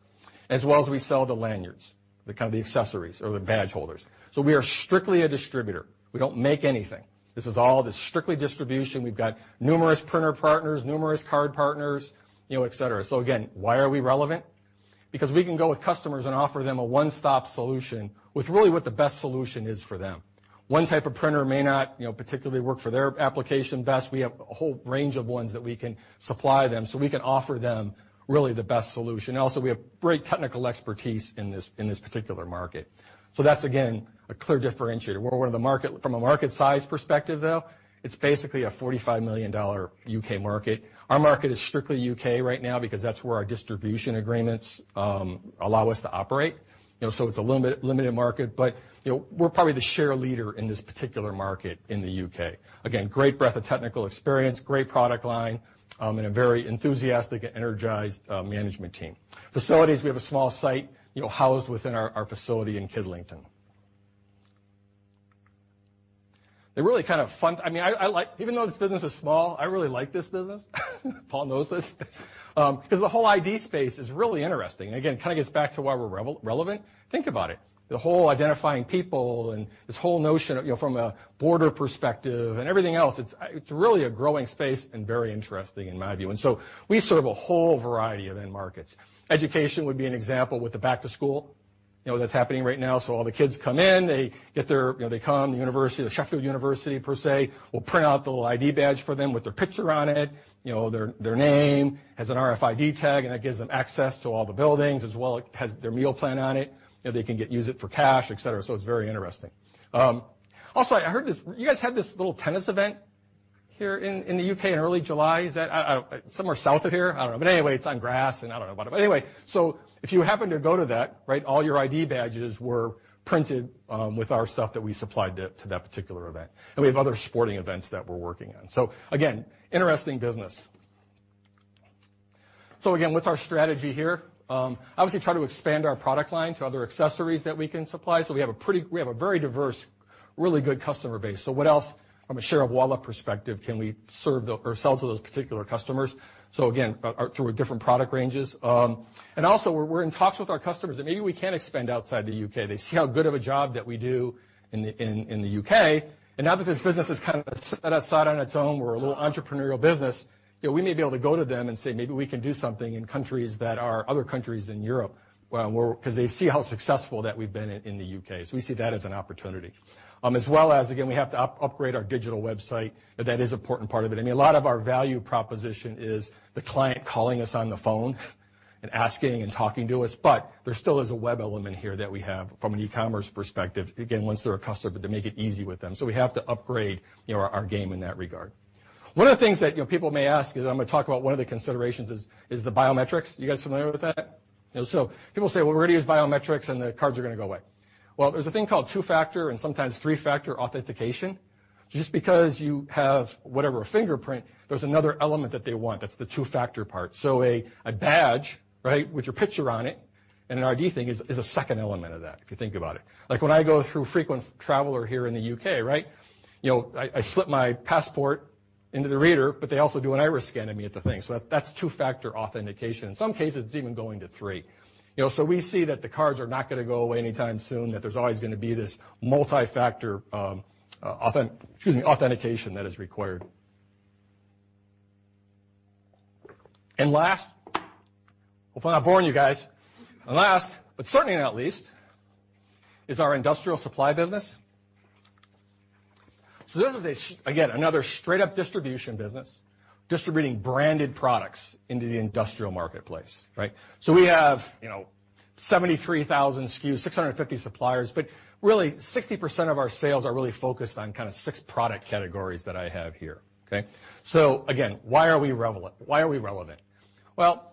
As well as we sell the lanyards, the kind of the accessories or the badge holders. We are strictly a distributor. We don't make anything. This is all just strictly distribution. We've got numerous printer partners, numerous card partners, et cetera. Again, why are we relevant? Because we can go with customers and offer them a one-stop solution with really what the best solution is for them. One type of printer may not particularly work for their application best. We have a whole range of ones that we can supply them, so we can offer them really the best solution. Also, we have great technical expertise in this particular market. That's, again, a clear differentiator. From a market size perspective, though, it's basically a GBP 45 million U.K. market. Our market is strictly U.K. right now because that's where our distribution agreements allow us to operate. It's a limited market, but we're probably the share leader in this particular market in the U.K. Again, great breadth of technical experience, great product line, and a very enthusiastic and energized management team. Facilities, we have a small site housed within our facility in Kidlington. They're really kind of fun. I mean, even though this business is small, I really like this business. Paul knows this. The whole ID space is really interesting, and again, kind of gets back to why we're relevant. Think about it. The whole identifying people and this whole notion from a border perspective and everything else, it's really a growing space and very interesting in my view. We serve a whole variety of end markets. Education would be an example with the back to school that's happening right now. All the kids come in, they come, the University of Sheffield per se, will print out the little ID badge for them with their picture on it, their name, has an RFID tag, and that gives them access to all the buildings as well as it has their meal plan on it, they can use it for cash, et cetera. It's very interesting. Also, I heard this. You guys had this little tennis event here in the U.K. in early July. Is that somewhere south of here? I don't know. Anyway, it's on grass, and I don't know about it. If you happen to go to that, right, all your ID badges were printed with our stuff that we supplied to that particular event. We have other sporting events that we're working on. Interesting business. What's our strategy here? Obviously, try to expand our product line to other accessories that we can supply. We have a very diverse, really good customer base. What else from a share of wallet perspective, can we serve or sell to those particular customers? Through our different product ranges. We're in talks with our customers that maybe we can expand outside the U.K. They see how good of a job that we do in the U.K., and now that this business is kind of set aside on its own, we're a little entrepreneurial business, we may be able to go to them and say, "Maybe we can do something in other countries in Europe." They see how successful that we've been in the U.K. We see that as an opportunity. As well as, again, we have to upgrade our digital website. That is important part of it. A lot of our value proposition is the client calling us on the phone and asking and talking to us, but there still is a web element here that we have from an e-commerce perspective, again, once they're a customer, to make it easy with them. We have to upgrade our game in that regard. One of the things that people may ask is, I'm going to talk about one of the considerations is the biometrics. You guys familiar with that? People say, "Well, we already use biometrics, and the cards are going to go away." Well, there's a thing called two-factor and sometimes three-factor authentication. Just because you have whatever fingerprint, there's another element that they want. That's the two-factor part. A badge with your picture on it and an ID thing is a second element of that, if you think about it. Like when I go through frequent traveler here in the U.K., I slip my passport into the reader, but they also do an iris scan of me at the thing. That's two-factor authentication. In some cases, it's even going to three. We see that the cards are not going to go away anytime soon, that there's always going to be this multi-factor authentication that is required. Last, hope I'm not boring you guys. Last, but certainly not least, is our Industrial Supply business. This is, again, another straight-up distribution business, distributing branded products into the industrial marketplace. We have 73,000 SKUs, 650 suppliers, but really 60% of our sales are really focused on kind of six product categories that I have here. Again, why are we relevant? Well,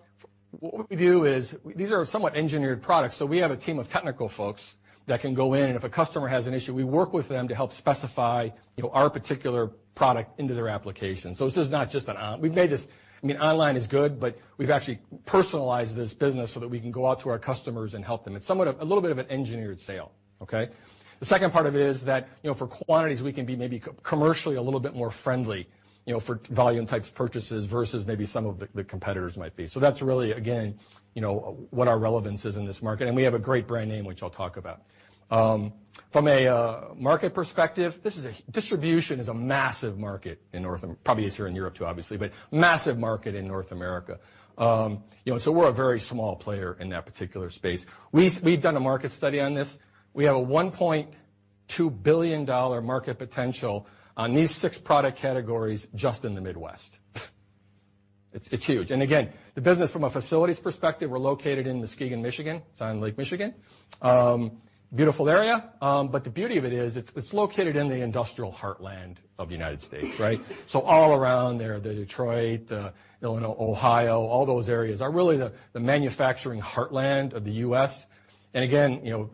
what we do is, these are somewhat engineered products. We have a team of technical folks that can go in, and if a customer has an issue, we work with them to help specify our particular product into their application. This is not just an Online is good, but we've actually personalized this business so that we can go out to our customers and help them. It's a little bit of an engineered sale. The second part of it is that for quantities, we can be maybe commercially a little bit more friendly, for volume types purchases versus maybe some of the competitors might be. That's really, again, what our relevance is in this market. We have a great brand name, which I'll talk about. From a market perspective, distribution is a massive market. Probably is here in Europe too, obviously, but massive market in North America. We're a very small player in that particular space. We've done a market study on this. We have a $1.2 billion market potential on these six product categories just in the Midwest. It's huge. Again, the business from a facilities perspective, we're located in Muskegon, Michigan. It's on Lake Michigan. Beautiful area. The beauty of it is, it's located in the industrial heartland of the U.S. All around there, the Detroit, Illinois, Ohio, all those areas are really the manufacturing heartland of the U.S. Again,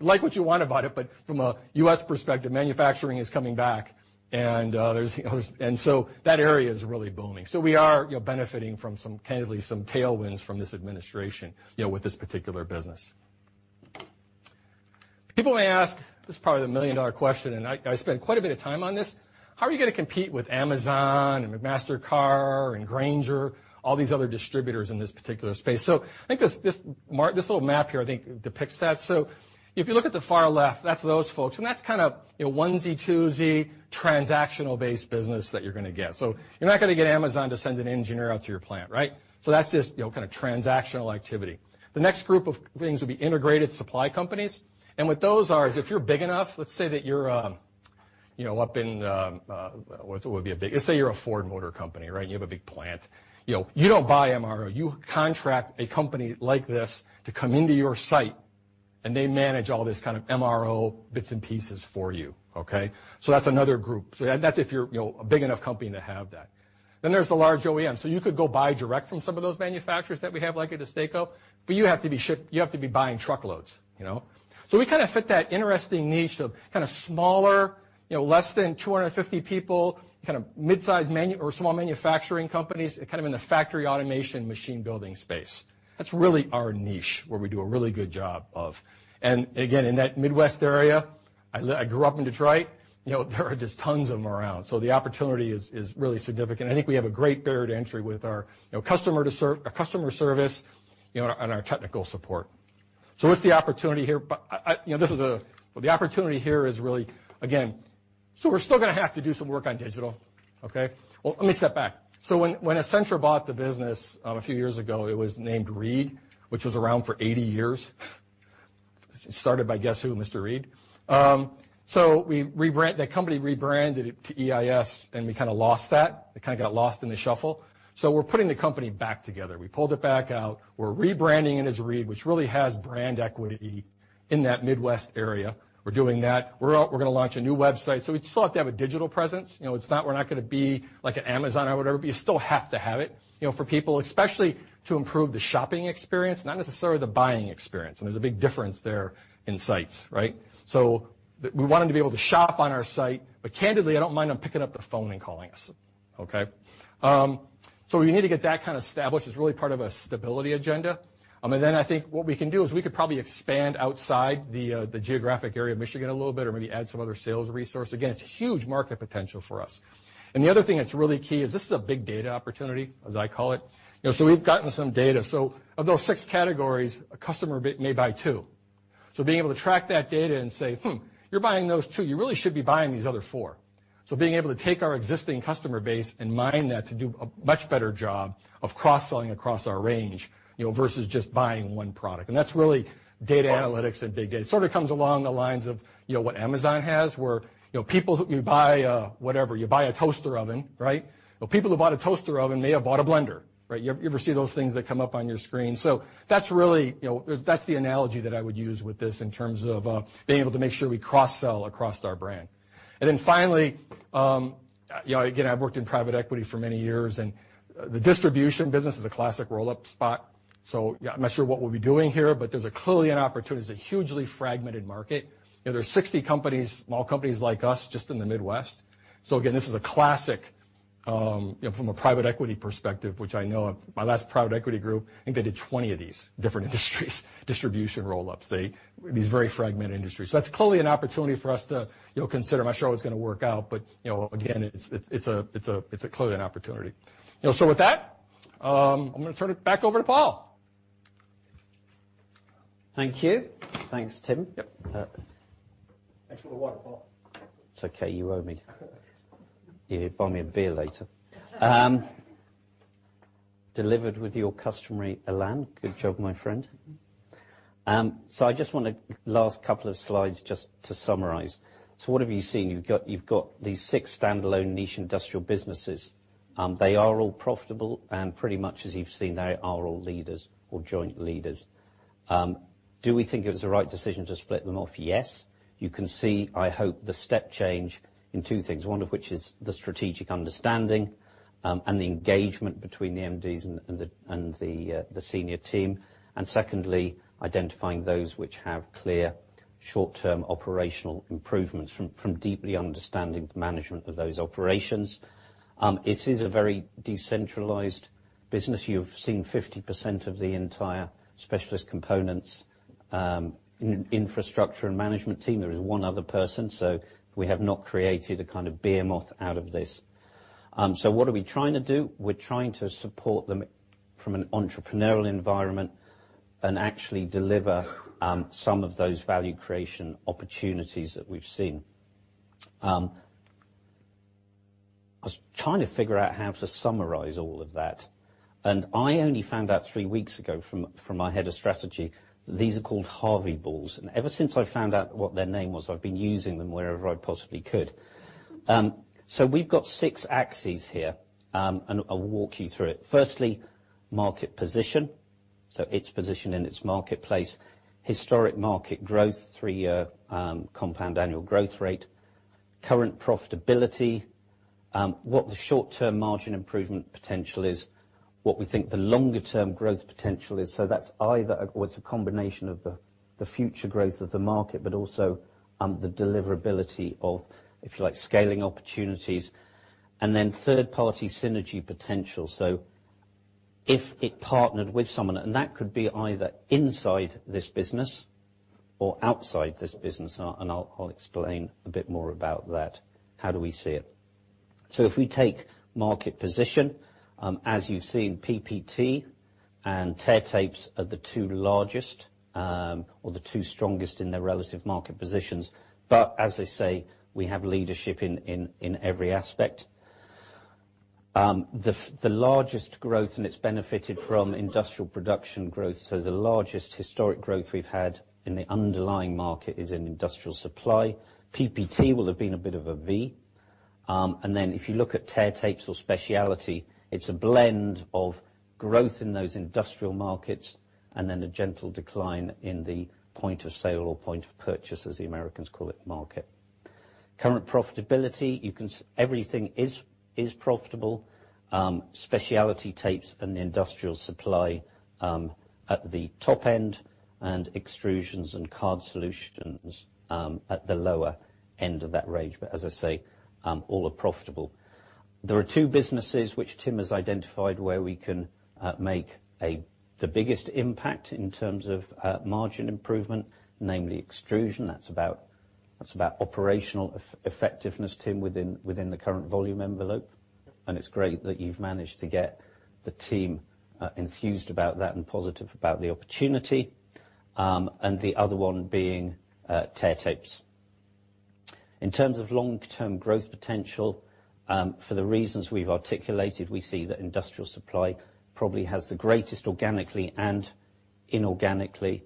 like what you want about it, but from a U.S. perspective, manufacturing is coming back, that area is really booming. We are benefiting from some, candidly, some tailwinds from this administration, with this particular business. People may ask, this is probably the million-dollar question, and I spent quite a bit of time on this, how are you going to compete with Amazon and McMaster-Carr and Grainger, all these other distributors in this particular space? I think this little map here, I think depicts that. If you look at the far left, that's those folks, that's kind of onesie, twosie, transactional-based business that you're going to get. You're not going to get Amazon to send an engineer out to your plant. That's just kind of transactional activity. The next group of things will be integrated supply companies. What those are is if you're big enough, let's say that you're up in, let's say you're a Ford Motor Company. You have a big plant. You don't buy MRO. You contract a company like this to come into your site, and they manage all this kind of MRO bits and pieces for you. That's another group. That's if you're a big enough company to have that. There's the large OEM. You could go buy direct from some of those manufacturers that we have, like a DESTACO, you have to be buying truckloads. We kind of fit that interesting niche of kind of smaller, less than 250 people, kind of midsize or small manufacturing companies, kind of in the factory automation, machine building space. That's really our niche where we do a really good job of again, in that Midwest area, I grew up in Detroit, there are just tons of them around. The opportunity is really significant. I think we have a great barrier to entry with our customer service and our technical support. What's the opportunity here? The opportunity here is really, again, we're still going to have to do some work on digital. Let me step back. When Essentra bought the business a few years ago, it was named Reed, which was around for 80 years. Started by guess who? Mr. Reed. The company rebranded it to EIS, and we kind of lost that. It kind of got lost in the shuffle. We're putting the company back together. We pulled it back out. We're rebranding it as Reed, which really has brand equity in that Midwest area. We're doing that. We're going to launch a new website. We still have to have a digital presence. We're not going to be like an Amazon or whatever, but you still have to have it, for people, especially to improve the shopping experience, not necessarily the buying experience. There's a big difference there in sites. We want them to be able to shop on our site, candidly, I don't mind them picking up the phone and calling us. We need to get that kind of established. It's really part of a stability agenda. I think what we can do is we could probably expand outside the geographic area of Michigan a little bit or maybe add some other sales resource. Again, it's huge market potential for us. The other thing that's really key is this is a big data opportunity, as I call it. We've gotten some data. Of those 6 categories, a customer may buy 2. Being able to track that data and say, "Hmm, you're buying those 2. You really should be buying these other 4." Being able to take our existing customer base and mine that to do a much better job of cross-selling across our range versus just buying 1 product. That's really data analytics and big data. It sort of comes along the lines of what Amazon has, where people who buy whatever, you buy a toaster oven, right? People who bought a toaster oven may have bought a blender, right? You ever see those things that come up on your screen. That's the analogy that I would use with this in terms of being able to make sure we cross-sell across our brand. Finally, again, I've worked in private equity for many years, and the distribution business is a classic roll-up spot. Yeah, I'm not sure what we'll be doing here, there's clearly an opportunity. It's a hugely fragmented market. There are 60 companies, small companies like us just in the Midwest. Again, this is a classic from a private equity perspective, which I know my last private equity group, I think they did 20 of these different industries distribution roll-ups. These very fragmented industries. That's clearly an opportunity for us to consider. I'm not sure how it's going to work out, but again, it's clearly an opportunity. With that, I'm going to turn it back over to Paul. Thank you. Thanks, Tim. Yep. Thanks for the water, Paul. It's okay. You owe me. You need to buy me a beer later. Delivered with your customary elan. Good job, my friend. I just want to Last couple of slides just to summarize. What have you seen? You've got these six standalone niche industrial businesses. They are all profitable and pretty much as you've seen, they are all leaders or joint leaders. Do we think it was the right decision to split them off? Yes. You can see, I hope, the step change in two things, one of which is the strategic understanding, and the engagement between the MDs and the senior team. Secondly, identifying those which have clear short-term operational improvements from deeply understanding the management of those operations. It is a very decentralized business. You've seen 50% of the entire Specialist Components, infrastructure, and management team. Firstly, market position. What are we trying to do? We're trying to support them from an entrepreneurial environment and actually deliver some of those value creation opportunities that we've seen. I was trying to figure out how to summarize all of that, and I only found out three weeks ago from my head of strategy, these are called Harvey balls, and ever since I found out what their name was, I've been using them wherever I possibly could. We've got six axes here. And I'll walk you through it. So its position in its marketplace. Historic market growth, three-year compound annual growth rate. Current profitability. What the short-term margin improvement potential is, what we think the longer-term growth potential is. That's either, or it's a combination of the future growth of the market, but also the deliverability of, if you like, scaling opportunities. Then third-party synergy potential. If it partnered with someone, and that could be either inside this business or outside this business, and I'll explain a bit more about that, how do we see it? If we take market position, as you see, PPT and Tear Tapes are the two largest, or the two strongest in their relative market positions. As they say, we have leadership in every aspect. The largest growth, and it's benefited from industrial production growth, the largest historic growth we've had in the underlying market is in Industrial Supply. PPT will have been a bit of a V. If you look at Tear Tapes or Specialty, it's a blend of growth in those industrial markets and then a gentle decline in the point of sale or point of purchase, as the Americans call it, market. Current profitability. Everything is profitable. Specialty Tapes and the Industrial Supply, at the top end, and Extrusions and Card Solutions, at the lower end of that range. As I say, all are profitable. There are two businesses which Tim has identified where we can make the biggest impact in terms of margin improvement, namely Extrusion. That's about operational effectiveness, Tim, within the current volume envelope, and it's great that you've managed to get the team enthused about that and positive about the opportunity. The other one being Tear Tapes. In terms of long-term growth potential, for the reasons we've articulated, we see that Industrial Supply probably has the greatest organically and inorganically,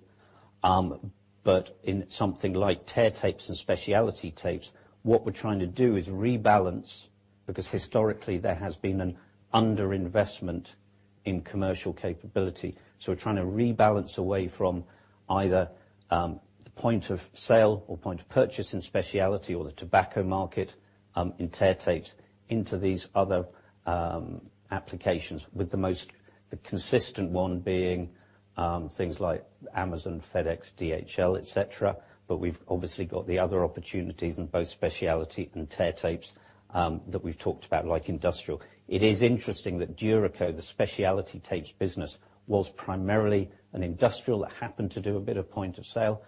but in something like Tear Tapes and Specialty Tapes, what we're trying to do is rebalance because historically there has been an underinvestment in commercial capability. We're trying to rebalance away from either the point of sale or point of purchase in Specialty or the tobacco market, in Tear Tapes into these other applications with the most consistent one being things like Amazon, FedEx, DHL, et cetera. We've obviously got the other opportunities in both Specialty and Tear Tapes that we've talked about, like Industrial. It is interesting that Duraco, the Specialty Tapes business, was primarily an industrial that happened to do a bit of point of sale.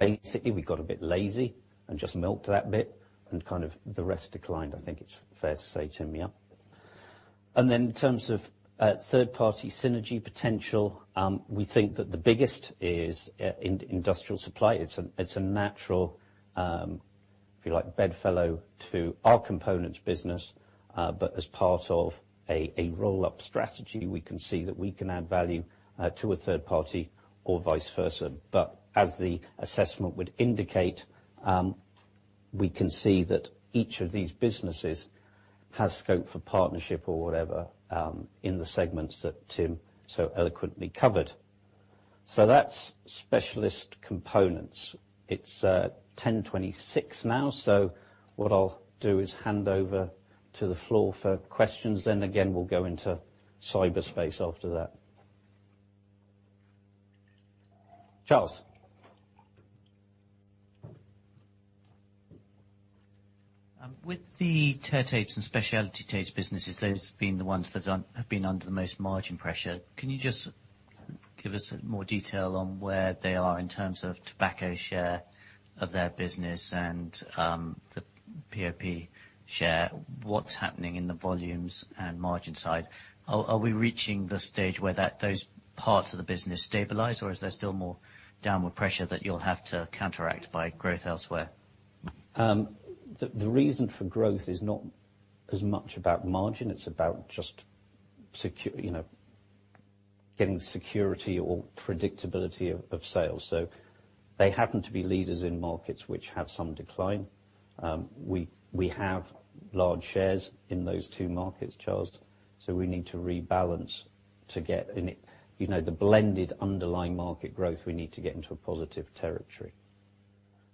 Basically we got a bit lazy and just milked that bit and kind of the rest declined, I think it's fair to say, Tim. In terms of third-party synergy potential, we think that the biggest is in Industrial Supply. It's a natural, if you like, bedfellow to our components business. As part of a roll-up strategy, we can see that we can add value to a third party or vice versa. As the assessment would indicate, we can see that each of these businesses has scope for partnership or whatever in the segments that Tim so eloquently covered. That's Specialist Components. It's 10:26 now. What I'll do is hand over to the floor for questions. Again, we'll go into cyberspace after that. Charles. With the Tear Tapes and Specialty Tapes businesses, those have been the ones that have been under the most margin pressure. Can you just give us more detail on where they are in terms of tobacco share of their business and the POP share? What's happening in the volumes and margin side? Are we reaching the stage where those parts of the business stabilize, or is there still more downward pressure that you'll have to counteract by growth elsewhere? The reason for growth is not as much about margin, it's about just getting security or predictability of sales. They happen to be leaders in markets which have some decline. We have large shares in those two markets, Charles. We need to rebalance to get the blended underlying market growth we need to get into a positive territory.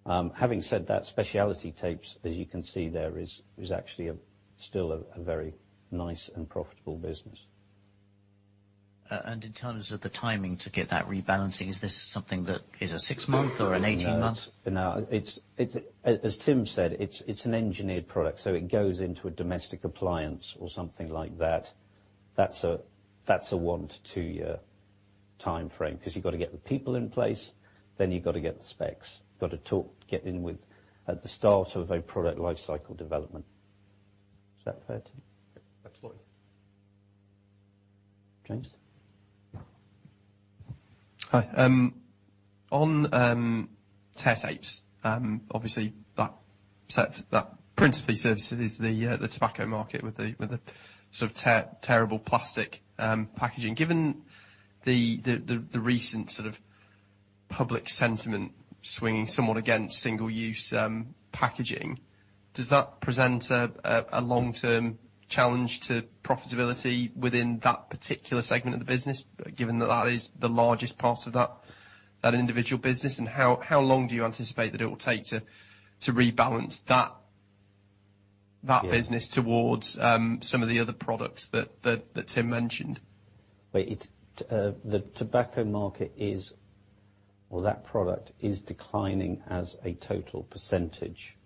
Having said that, Specialty Tapes, as you can see there, is actually still a very nice and profitable business. In terms of the timing to get that rebalancing, is this something that is a six-month or an 18-month? No. As Tim said, it's an engineered product, so it goes into a domestic appliance or something like that. That's a one-to-two-year timeframe, because you've got to get the people in place, then you've got to get the specs. Got to get in at the start of a product lifecycle development. Is that fair, Tim? Absolutely. James. Hi. On Tear Tapes, obviously that principally services the tobacco market with the tearable plastic packaging. Given the recent public sentiment swinging somewhat against single-use packaging, does that present a long-term challenge to profitability within that particular segment of the business, given that is the largest part of that individual business? How long do you anticipate that it will take to rebalance that business towards some of the other products that Tim mentioned? The tobacco market is, or that product is declining as a total percentage,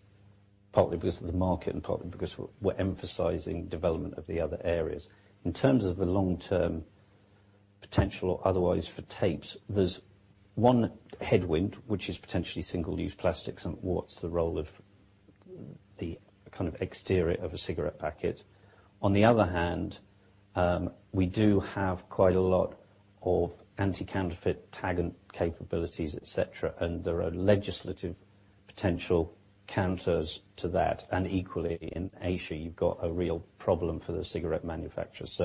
partly because of the market and partly because we're emphasizing development of the other areas. In terms of the long-term potential or otherwise for tapes, there's one headwind, which is potentially single-use plastics and what's the role of the exterior of a cigarette packet. On the other hand, we do have quite a lot of anti-counterfeit tag and capabilities, et cetera, and there are legislative potential counters to that. Equally, in Asia, you've got a real problem for the cigarette manufacturers.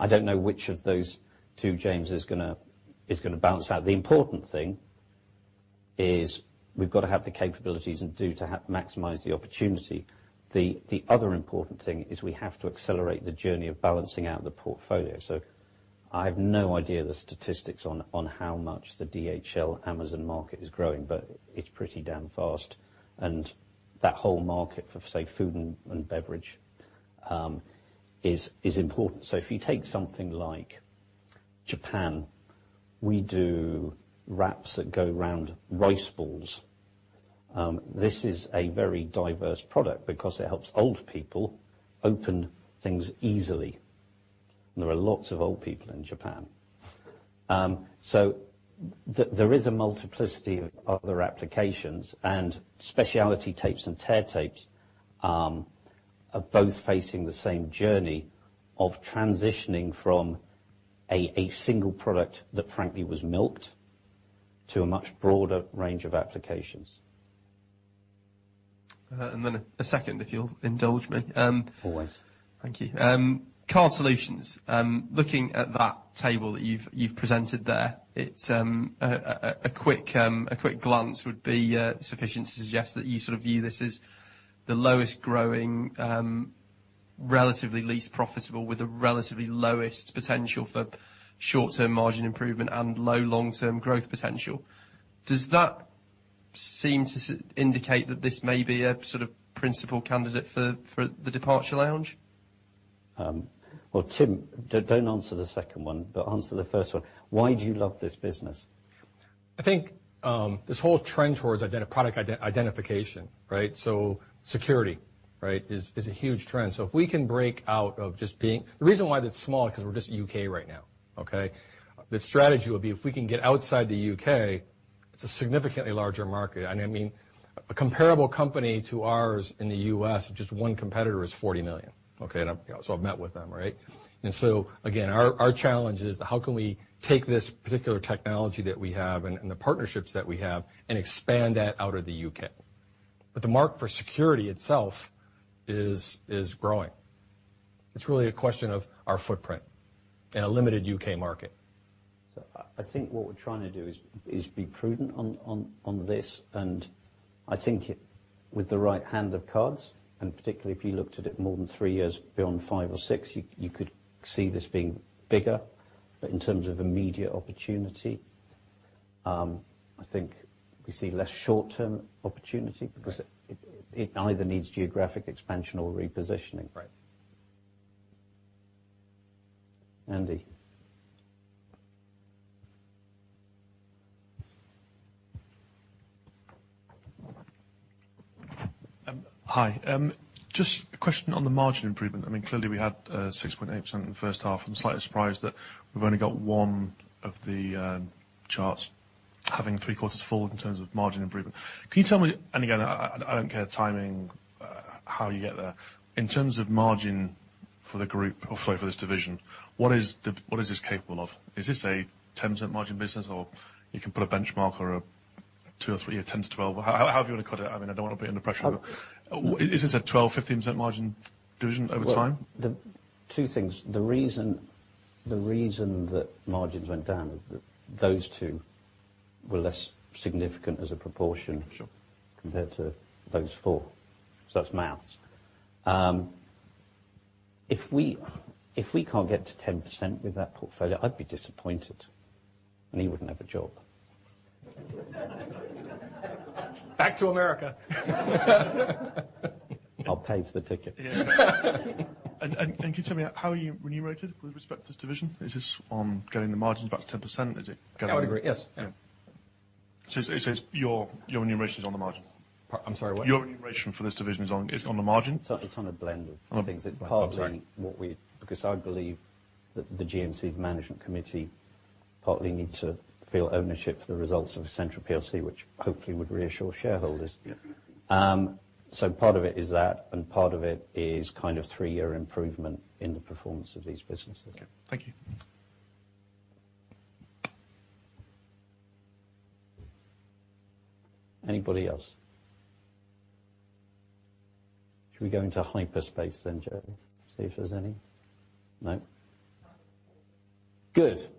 I don't know which of those two, James, is going to balance out. The important thing is we've got to have the capabilities and do to maximize the opportunity. The other important thing is we have to accelerate the journey of balancing out the portfolio. I have no idea the statistics on how much the DHL Amazon market is growing, but it's pretty damn fast. That whole market for, say, food and beverage, is important. If you take something like Japan, we do wraps that go around rice balls. This is a very diverse product because it helps old people open things easily. There are lots of old people in Japan. There is a multiplicity of other applications, and Specialty Tapes and Tear Tapes are both facing the same journey of transitioning from a single product that frankly was milked, to a much broader range of applications. A second, if you'll indulge me. Always. Thank you. Card Solutions. Looking at that table that you've presented there, a quick glance would be sufficient to suggest that you view this as the lowest growing, relatively least profitable with a relatively lowest potential for short-term margin improvement and low long-term growth potential. Does that seem to indicate that this may be a principal candidate for the departure lounge? Tim, don't answer the second one, but answer the first one. Why do you love this business? I think this whole trend towards product identification, security is a huge trend. If we can break out of just being, the reason why that is small, because we are just U.K. right now. Okay? The strategy will be if we can get outside the U.K., it is a significantly larger market. A comparable company to ours in the U.S., just one competitor, is 40 million. Okay? I have met with them, right? Again, our challenge is how can we take this particular technology that we have and the partnerships that we have and expand that out of the U.K.? The market for security itself is growing. It is really a question of our footprint in a limited U.K. market. I think what we are trying to do is be prudent on this, and I think with the right hand of cards, and particularly if you looked at it more than three years beyond five or six, you could see this being bigger. In terms of immediate opportunity, I think we see less short-term opportunity because it either needs geographic expansion or repositioning. Right. Andy? Hi. Just a question on the margin improvement. Clearly, we had 6.8% in the first half. I am slightly surprised that we have only got one of the charts having three quarters full in terms of margin improvement. Can you tell me, and again, I do not care timing, how you get there, in terms of margin for the group or sorry, for this division, what is this capable of? Is this a 10% margin business, or you can put a benchmark or a two or three, a 10%-12%, however you want to cut it. I do not want to put any pressure. I- Is this a 12%-15% margin division over time? Well, two things. The reason that margins went down, those two were less significant as a proportion- Sure compared to those four. That's math. If we can't get to 10% with that portfolio, I'd be disappointed, and he wouldn't have a job. Back to America. I'll pay for the ticket. Yeah. Can you tell me how are you remunerated with respect to this division? Is this on getting the margins back to 10%? I would agree, yes. Yeah. It's your remuneration is on the margin. I'm sorry, what? Your remuneration for this division is on the margin. It's on a blend of things. Oh, sorry. It's partly I believe that the GMC, the management committee, partly need to feel ownership for the results of Essentra PLC, which hopefully would reassure shareholders. Yeah. Part of it is that, and part of it is kind of 3-year improvement in the performance of these businesses. Okay. Thank you. Anybody else? Should we go into hyperspace then, Jeremy, see if there's any? No? Good.